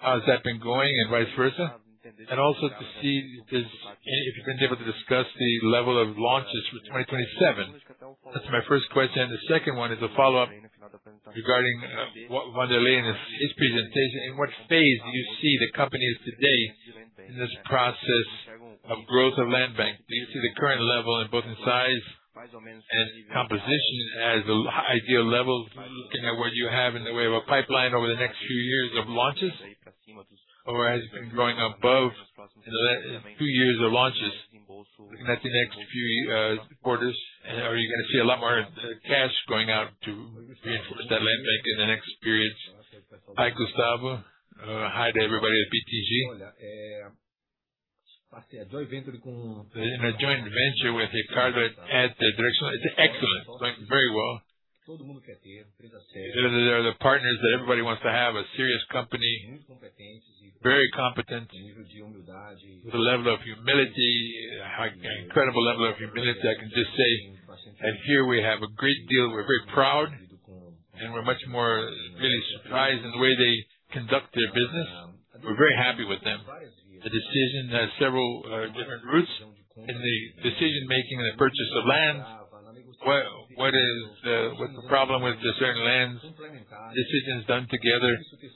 how has that been going and vice versa? Also to see if you've been able to discuss the level of launches for 2027. That's my first question. The second one is a follow-up regarding what Wanderley in his presentation. In what phase do you see the company is today in this process of growth of landbank? Do you see the current level in both in size and composition as the ideal level, looking at what you have in the way of a pipeline over the next few years of launches? Or has it been growing above in few years of launches, looking at the next few quarters? Are you gonna see a lot more cash going out to reinforce that landbank in the next periods? Hi, Gustavo. Hi to everybody at BTG. In a joint venture with Ricardo at the Direcional, it's excellent. It's going very well. They are the partners that everybody wants to have, a serious company, very competent, with a level of humility, an incredible level of humility, I can just say. Here we have a great deal. We're very proud, and we're much more really surprised in the way they conduct their business. We're very happy with them. The decision has several different routes. In the decision-making and the purchase of land, what is, what's the problem with the certain lands, decisions done together.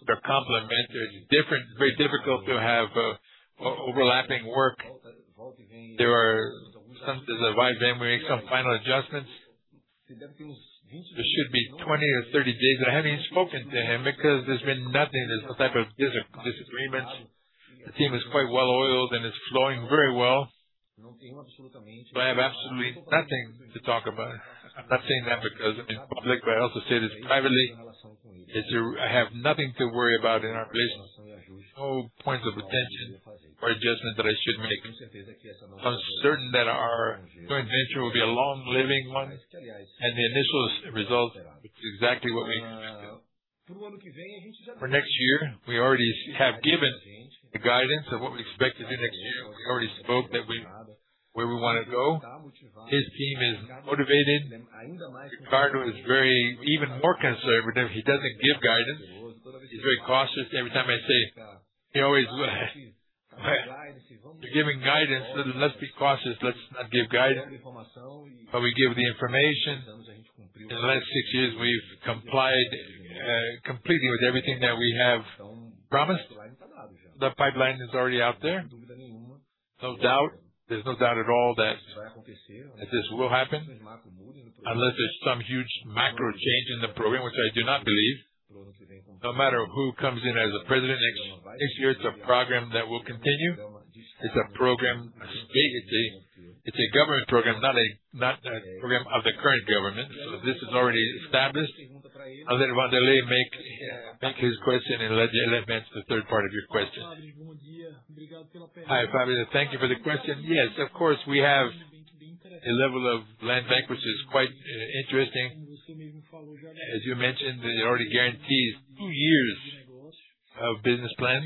They're complementary, different. Very difficult to have overlapping work. There's a wide vein. We make some final adjustments. There should be 20 or 30 days, and I haven't even spoken to him because there's been nothing. There's no type of disagreement. The team is quite well-oiled, and it's flowing very well. I have absolutely nothing to talk about. I'm not saying that because I'm in public, but I also say this privately, is to I have nothing to worry about in our relation. No points of attention or adjustment that I should make. I'm certain that our joint venture will be a long-living one, and the initial result is exactly what we expected. For next year, we already have given the guidance of what we expect to do next year. We already spoke that where we wanna go. His team is motivated. Ricardo is very, even more conservative. He doesn't give guidance. He's very cautious. Every time I say, he always, "What. We're giving guidance." Let's be cautious. Let's not give guidance. We give the information. In the last six years, we've complied completely with everything that we have promised. The pipeline is already out there. No doubt. There's no doubt at all that this will happen unless there's some huge macro change in the program, which I do not believe. No matter who comes in as a president next year, it's a program that will continue. It's a program, it's a government program, not a program of the current government. This is already established. I'll let Wanderley make his question and let answer the third part of your question. Hi, Fabio. Thank you for the question. Yes, of course, we have a level of landbank which is quite interesting. As you mentioned, it already guarantees two years of business plans.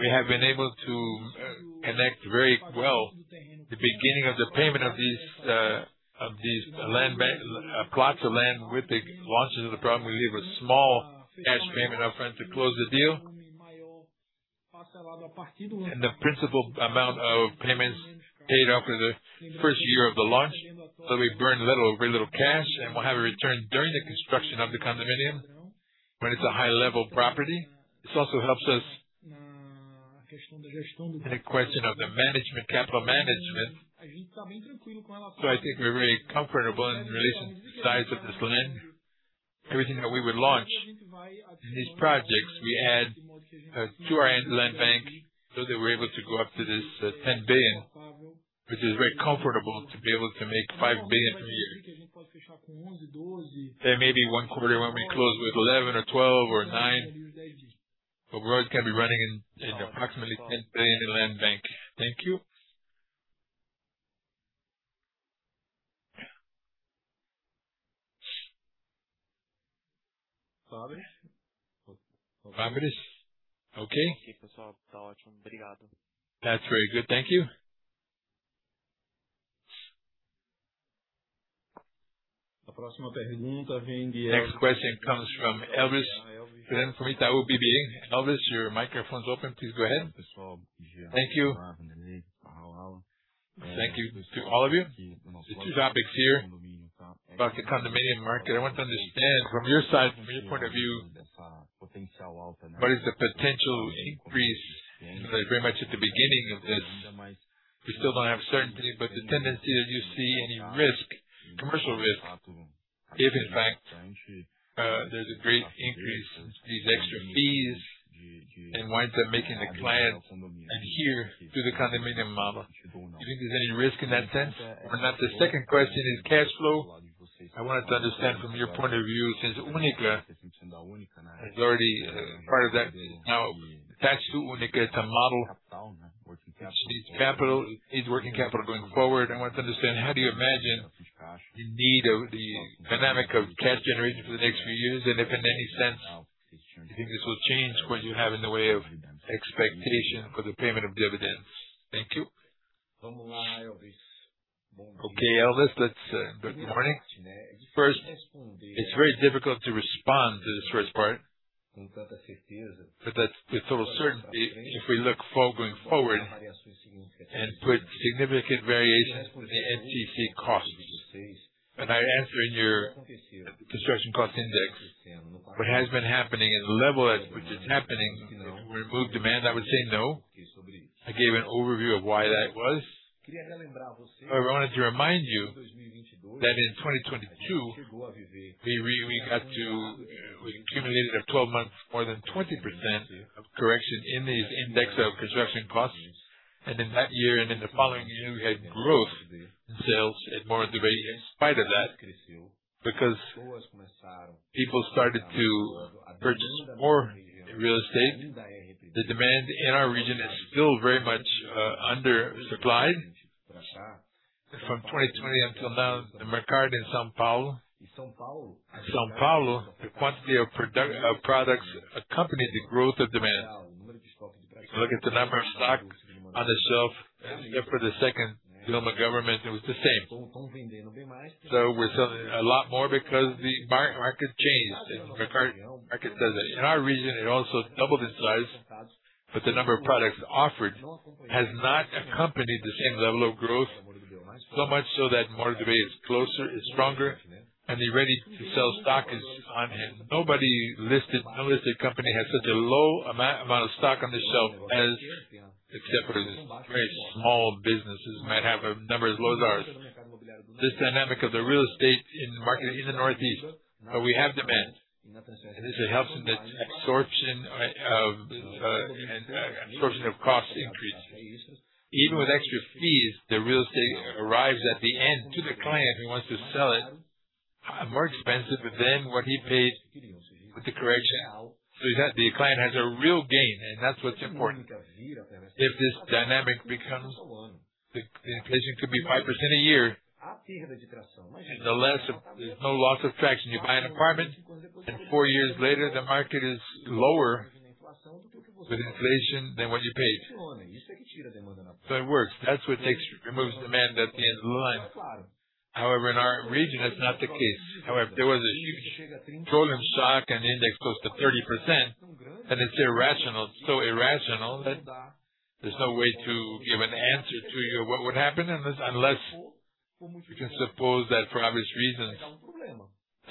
We have been able to connect very well the beginning of the payment of these of these landbank plots of land with the launches of the program. We leave a small cash payment up front to close the deal. The principal amount of payments paid after the first year of the launch. We burn little, very little cash, and we'll have a return during the construction of the condominium when it's a high-level property. This also helps us in the question of the management, capital management. I think we're very comfortable in relation to the size of this land. Everything that we would launch in these projects, we add to our end landbank so that we're able to go up to this 10 billion, which is very comfortable to be able to make 5 billion per year. There may be one quarter when we close with 11 or 12 or nine, but we always can be running in approximately 10 billion in landbank. Thank you. Fabio. Fabio, okay. That's very good. Thank you. Next question comes from Elvis from Itaú BBA. Elvis, your microphone is open. Please go ahead. Thank you. Thank you to all of you. Two topics here about the condominium market. I want to understand from your side, from your point of view, what is the potential increase very much at the beginning of this. We still don't have certainty, but the tendency that you see any risk, commercial risk, if in fact, there's a great increase, these extra fees and winds up making the client adhere to the condominium model. Do you think there's any risk in that sense or not? The second question is cash flow. I wanted to understand from your point of view, since Única is already part of that now attached to Única, it's a model, needs capital, needs working capital going forward. I want to understand how do you imagine the need of the dynamic of cash generation for the next few years, and if in any sense, you think this will change what you have in the way of expectation for the payment of dividends. Thank you. Okay, Elvis, let's good morning. First, it's very difficult to respond to this first part. That's with total certainty, if we look for going forward and put significant variations in the INCC costs, and I answer in your construction cost index, what has been happening and the level at which it's happening, you know, remove demand, I would say no. I gave an overview of why that was. I wanted to remind you that in 2022, we accumulated a 12-month more than 20% correction in the index of construction costs. In that year and in the following year, we had growth in sales at Moura Dubeux in spite of that, because people started to purchase more real estate. The demand in our region is still very much under supplied. From 2020 until now, the market in São Paulo. São Paulo, the quantity of products accompanied the growth of demand. If you look at the number of stock on the shelf, except for the second Dilma government, it was the same. We're selling a lot more because the market changed. The market does that. In our region, it also doubled in size, but the number of products offered has not accompanied the same level of growth, so much so that Moura Dubeux is closer, is stronger, and the ready-to-sell stock is on hand. Nobody no listed company has such a low amount of stock on the shelf as except for these very small businesses might have a number as low as ours. This dynamic of the real estate in the northeast, we have demand. This helps in the absorption of cost increase. Even with extra fees, the real estate arrives at the end to the client who wants to sell it more expensive than what he paid with the correction. Exactly, the client has a real gain, that's what's important. If this dynamic becomes the inflation could be 5% a year, there's no loss of traction. You buy an apartment, four years later, the market is lower with inflation than what you paid. It works. That's what removes demand at the end of the line. In our region, that's not the case. There was a huge volume shock and index close to 30%, and it's irrational. It's so irrational that there's no way to give an answer to you what would happen unless you can suppose that for obvious reasons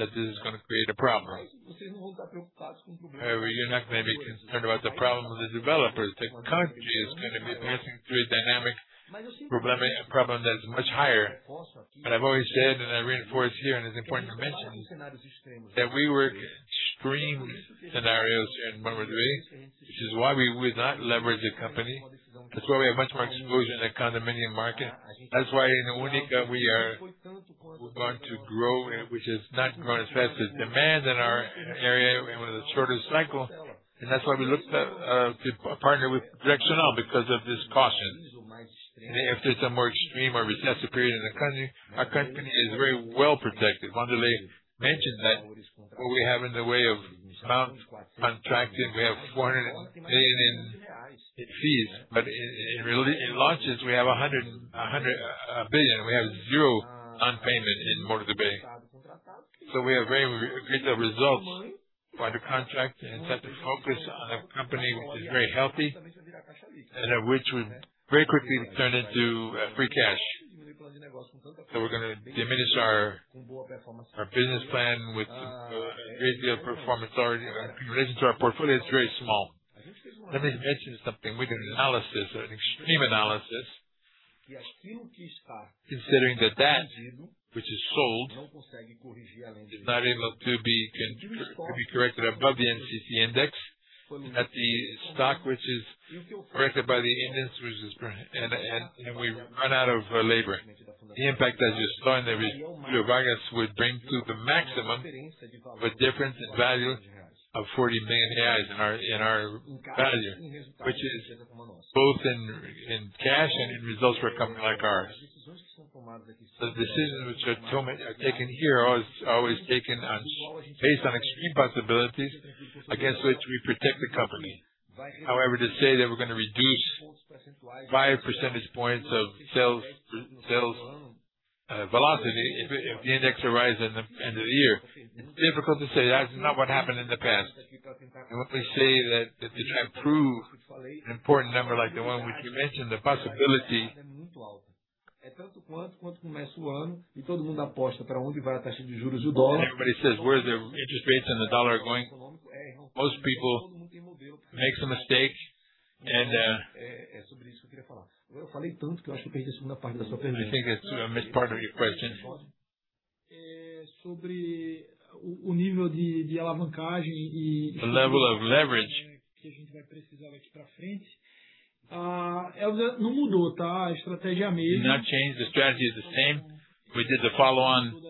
that this is going to create a problem. You're not going to be concerned about the problem of the developers. The country is going to be passing through a dynamic problem that is much higher. I've always said, and I reinforce here, and it's important to mention, that we work extreme scenarios here in Moura Dubeux, which is why we would not leverage the company. That's why we have much more exposure in the condominium market. That's why in Única we're going to grow, which has not grown as fast as demand in our area. We're in a shorter cycle. That's why we looked at to partner with Direcional because of this caution. If there's a more extreme or recessive period in the country, our company is very well protected. Wanderley mentioned that what we have in the way of amount contracted, we have 400 million in fees. In launches, we have 100 billion. We have 0 on payment in Moura Dubeux. We have very rich results by the contract and set the focus on a company which is very healthy and which would very quickly turn into free cash. We're gonna diminish our business plan with greatly our performance already. In relation to our portfolio, it's very small. Let me mention something. We did an analysis, an extreme analysis considering the debt which is sold is not able to be corrected above the INCC index and that the stock which is corrected by the index which is and, you know, we've run out of labor. The impact, as you saw in the Rio Vargas, would bring to the maximum of a difference in value of 40 billion reais in our, in our value, which is both in cash and in results for a company like ours. The decisions which are so taken here are always taken based on extreme possibilities against which we protect the company. However, to say that we're gonna reduce 5 percentage points of sales velocity if the index arise in the end of the year. It's difficult to say. That's not what happened in the past. When we say that, to improve an important number like the one which you mentioned, the possibility. Everybody says, "Where is the interest rates and the dollar are going?" Most people makes a mistake and I think I missed part of your question. The level of leverage. Did not change. The strategy is the same. We did the follow-on. We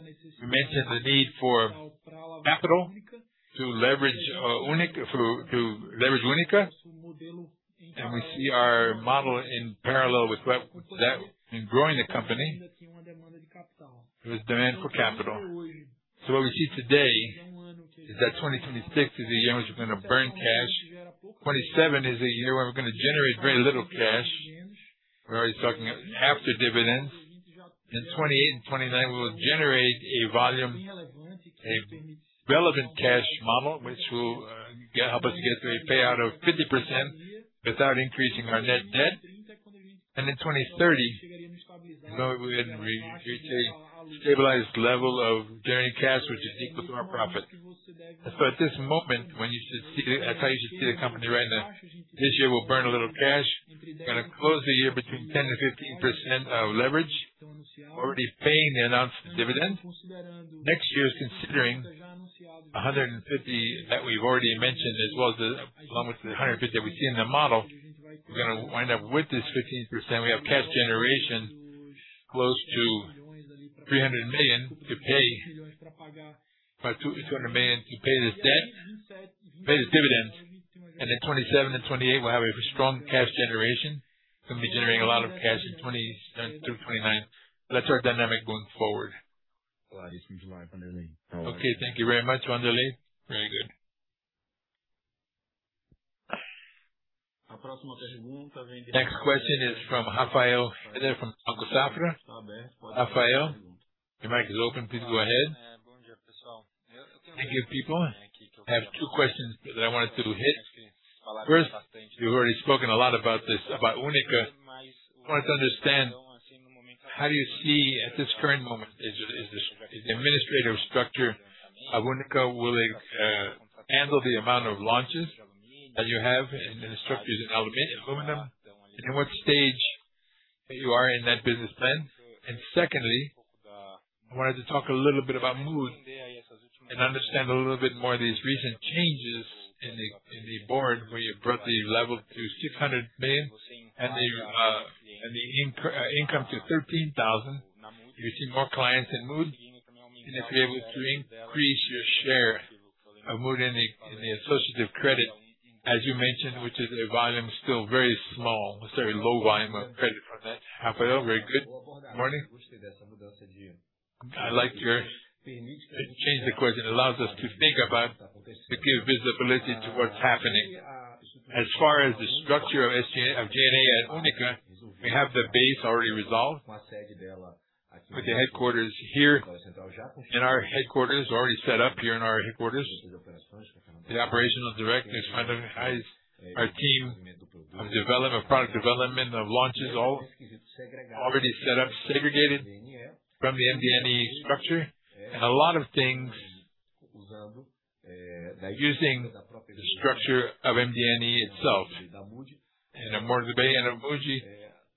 mentioned the need for capital to leverage Única to leverage Única. We see our model in parallel with what that in growing the company. There was demand for capital. What we see today is that 2026 is a year which we're gonna burn cash. 2027 is a year where we're gonna generate very little cash. We're always talking half the dividends. In 2028 and 2029, we will generate a volume, a relevant cash model, which will help us get to a payout of 50% without increasing our net debt. In 2030, we reach a stabilized level of generating cash, which is equal to our profit. At this moment, that's how you should see the company right now. This year we'll burn a little cash. We're gonna close the year between 10%-15% of leverage, already paying the announced dividend. Next year is considering 150 that we've already mentioned, as well as the, along with the 150 that we see in the model. We're gonna wind up with this 15%. We have cash generation close to 300 million to pay. About 200 million to pay this debt, pay this dividend. In 2027 and 2028, we'll have a strong cash generation. We're gonna be generating a lot of cash in 2027 through 2029. That's our dynamic going forward. Okay, thank you very much, Wanderley. Very good. Next question is from Rafael Eder from Banco Safra. Rafael, your mic is open. Please go ahead. Thank you, people. I have two questions that I wanted to hit. First, you've already spoken a lot about this, about Única. I wanted to understand, how do you see at this current moment, is the administrative structure of Única will handle the amount of launches that you have in structures in aluminum? In what stage you are in that business plan? Secondly, I wanted to talk a little bit about Mood and understand a little bit more of these recent changes in the board, where you brought the level to 600 million and the income to 13,000. Do you see more clients in Mood? If you're able to increase your share of Mood in the associative credit, as you mentioned, which is a volume still very small. It's a very low volume of credit for that. Rafael, very good morning. I like your To change the course. It allows us to think about to give visibility to what's happening. As far as the structure of SG&A at Única, we have the base already resolved with the headquarters here. Our headquarters already set up here in our headquarters. The operational directors, our team of product development, of launches, all already set up, segregated from the MDNE structure. A lot of things using the structure of MDNE itself. In Moura Dubeux and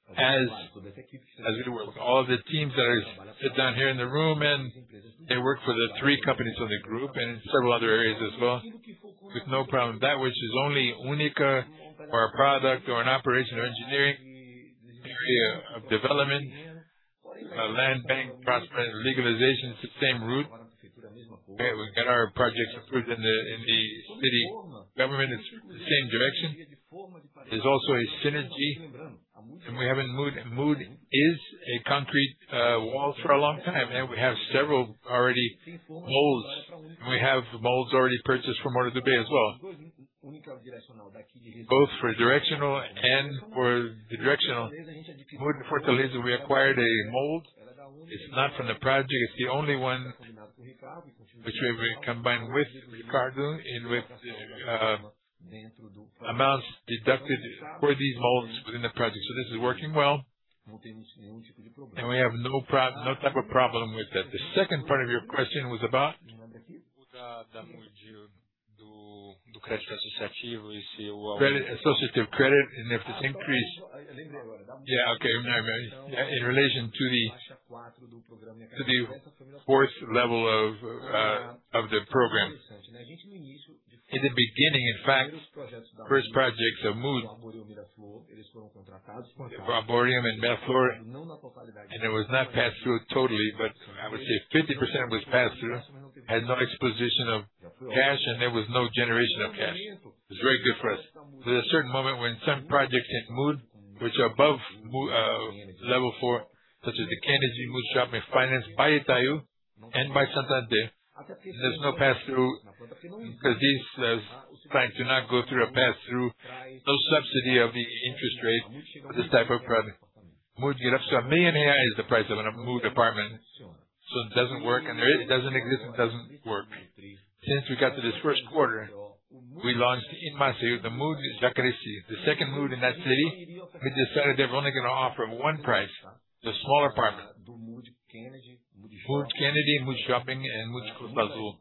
Mood, as we do work. All the teams that are sit down here in the room, and they work for the three companies of the group in several other areas as well with no problem. That which is only Única or a product or an operation or engineering area of development. Land bank, prospect, and legalization is the same route. We get our projects approved in the city government. It's the same direction. There's also a synergy, and we have in Mood. Mood is a concrete wall for a long time, we have several already molds, we have molds already purchased from Moura Dubeux as well. Both for Direcional and for the Direcional. Mood Fortaleza, we acquired a mold. It's not from the project. It's the only one which we've combined with Ricardo and with amounts deducted for these molds within the project. This is working well. We have no type of problem with that. The second part of your question was about? Credit, associative credit, and if this increase. Yeah. Okay. In relation to the fourth level of the Program. In the beginning, in fact, first projects of Mood, the Valborgium and Methlor, and it was not passed through totally, but I would say 50% was passed through, had no exposition of cash, and there was no generation of cash. It was very good for us. There's a certain moment when some projects at Mood, which are above level 4, such as the Candese Mood shopping, financed by Itaú. Banco Santander. There's no passthrough 'cause this is trying to not go through a passthrough. No subsidy of the interest rate for this type of product. Mood GetUp, 1 million is the price of a Mood apartment. It doesn't work, and it doesn't exist, it doesn't work. Since we got to this Q1, we launched in Maceió, the Mood Jacarecica, the second Mood in that city. We decided that we're only gonna offer one price, the smaller apartment. Mood Kennedy, Mood Shopping, and Mood Costa Azul,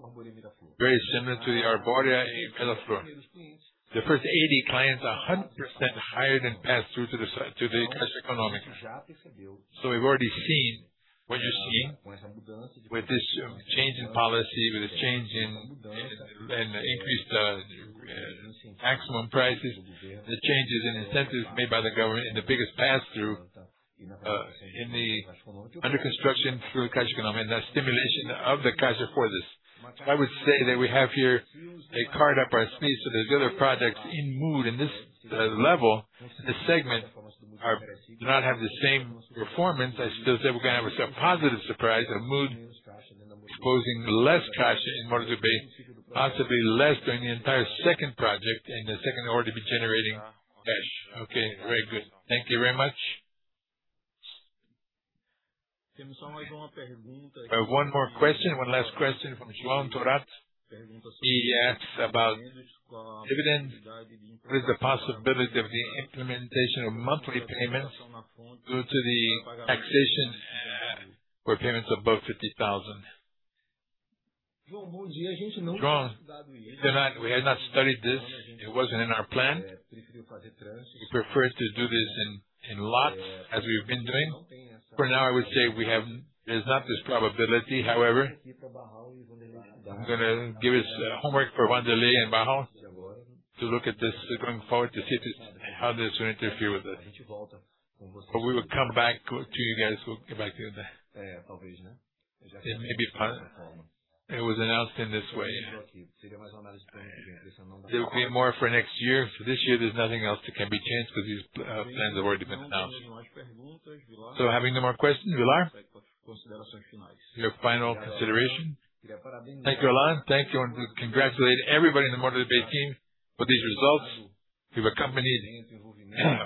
very similar to the Arborê in Vila Flor. The first 80 clients are 100% higher than passthrough to the Caixa Econômica. We've already seen what you're seeing with this change in policy, with this change in increased maximum prices, the changes in incentives made by the government and the biggest passthrough, in the under construction through Caixa Econômica and the stimulation of the Caixa for this. I would say that we have here a card up our sleeve, so there's other projects in Mood in this level, in this segment do not have the same performance. I still say we're gonna have a positive surprise, a Mood exposing less traction in Morumbi, possibly less than the entire second project in the second already be generating cash. Okay, very good. Thank you very much. I have one more question, one last question from João Torat. He asks about dividend. What is the possibility of the implementation of monthly payments due to the taxation for payments above 50,000? João, we have not studied this. It wasn't in our plan. We prefer to do this in lots as we've been doing. For now, I would say there's not this probability. I'm gonna give this homework for Wanderley and Diogo Barral to look at this going forward to see how this will interfere with it. We will come back to you guys. We'll get back to you then. It was announced in this way. There will be more for next year. For this year, there's nothing else that can be changed because these plans have already been announced. Having no more questions, Villar, your final consideration. Thank you, Alan. Thank you, and congratulate everybody in the Morumbi team for these results. We've accompanied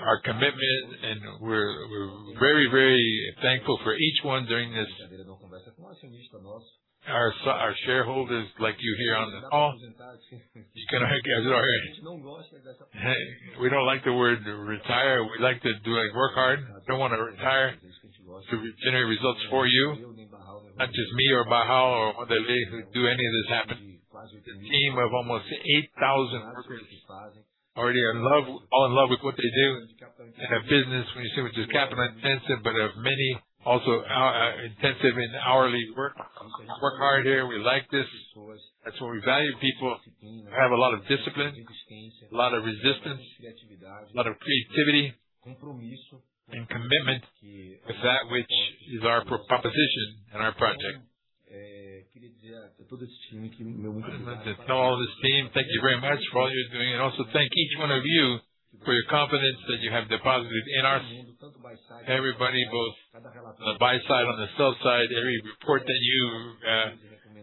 our commitment, and we're very, very thankful for each one during this. Our shareholders like you here on the call. We don't like the word retire. We like to do it, work hard. Don't wanna retire to re-generate results for you. Not just me or Diogo Barral or Diego Wanderley who do any of this happen. It's a team of almost 8,000 workers all in love with what they do in a business, when you see which is capital intensive, but of many also, intensive in hourly work. Work hard here. We like this. That's why we value people who have a lot of discipline, a lot of resistance, a lot of creativity and commitment with that which is our pro-proposition and our project. To tell all this team, thank you very much for all you're doing, and also thank each one of you for your confidence that you have deposited in our Everybody, both on the buy side, on the sell side, every report that you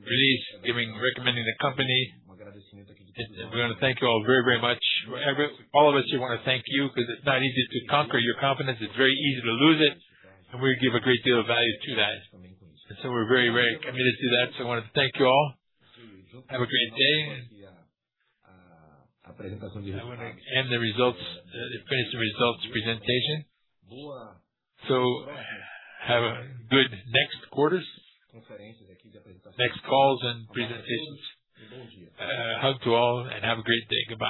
release giving, recommending the company. We wanna thank you all very, very much. All of us here wanna thank you 'cause it's not easy to conquer your confidence. It's very easy to lose it, and we give a great deal of value to that. We're very, very committed to that. I wanted to thank you all. Have a great day. I wanna end the results, finish the results presentation. Have a good next quarters, next calls and presentations. Hug to all and have a great day. Goodbye.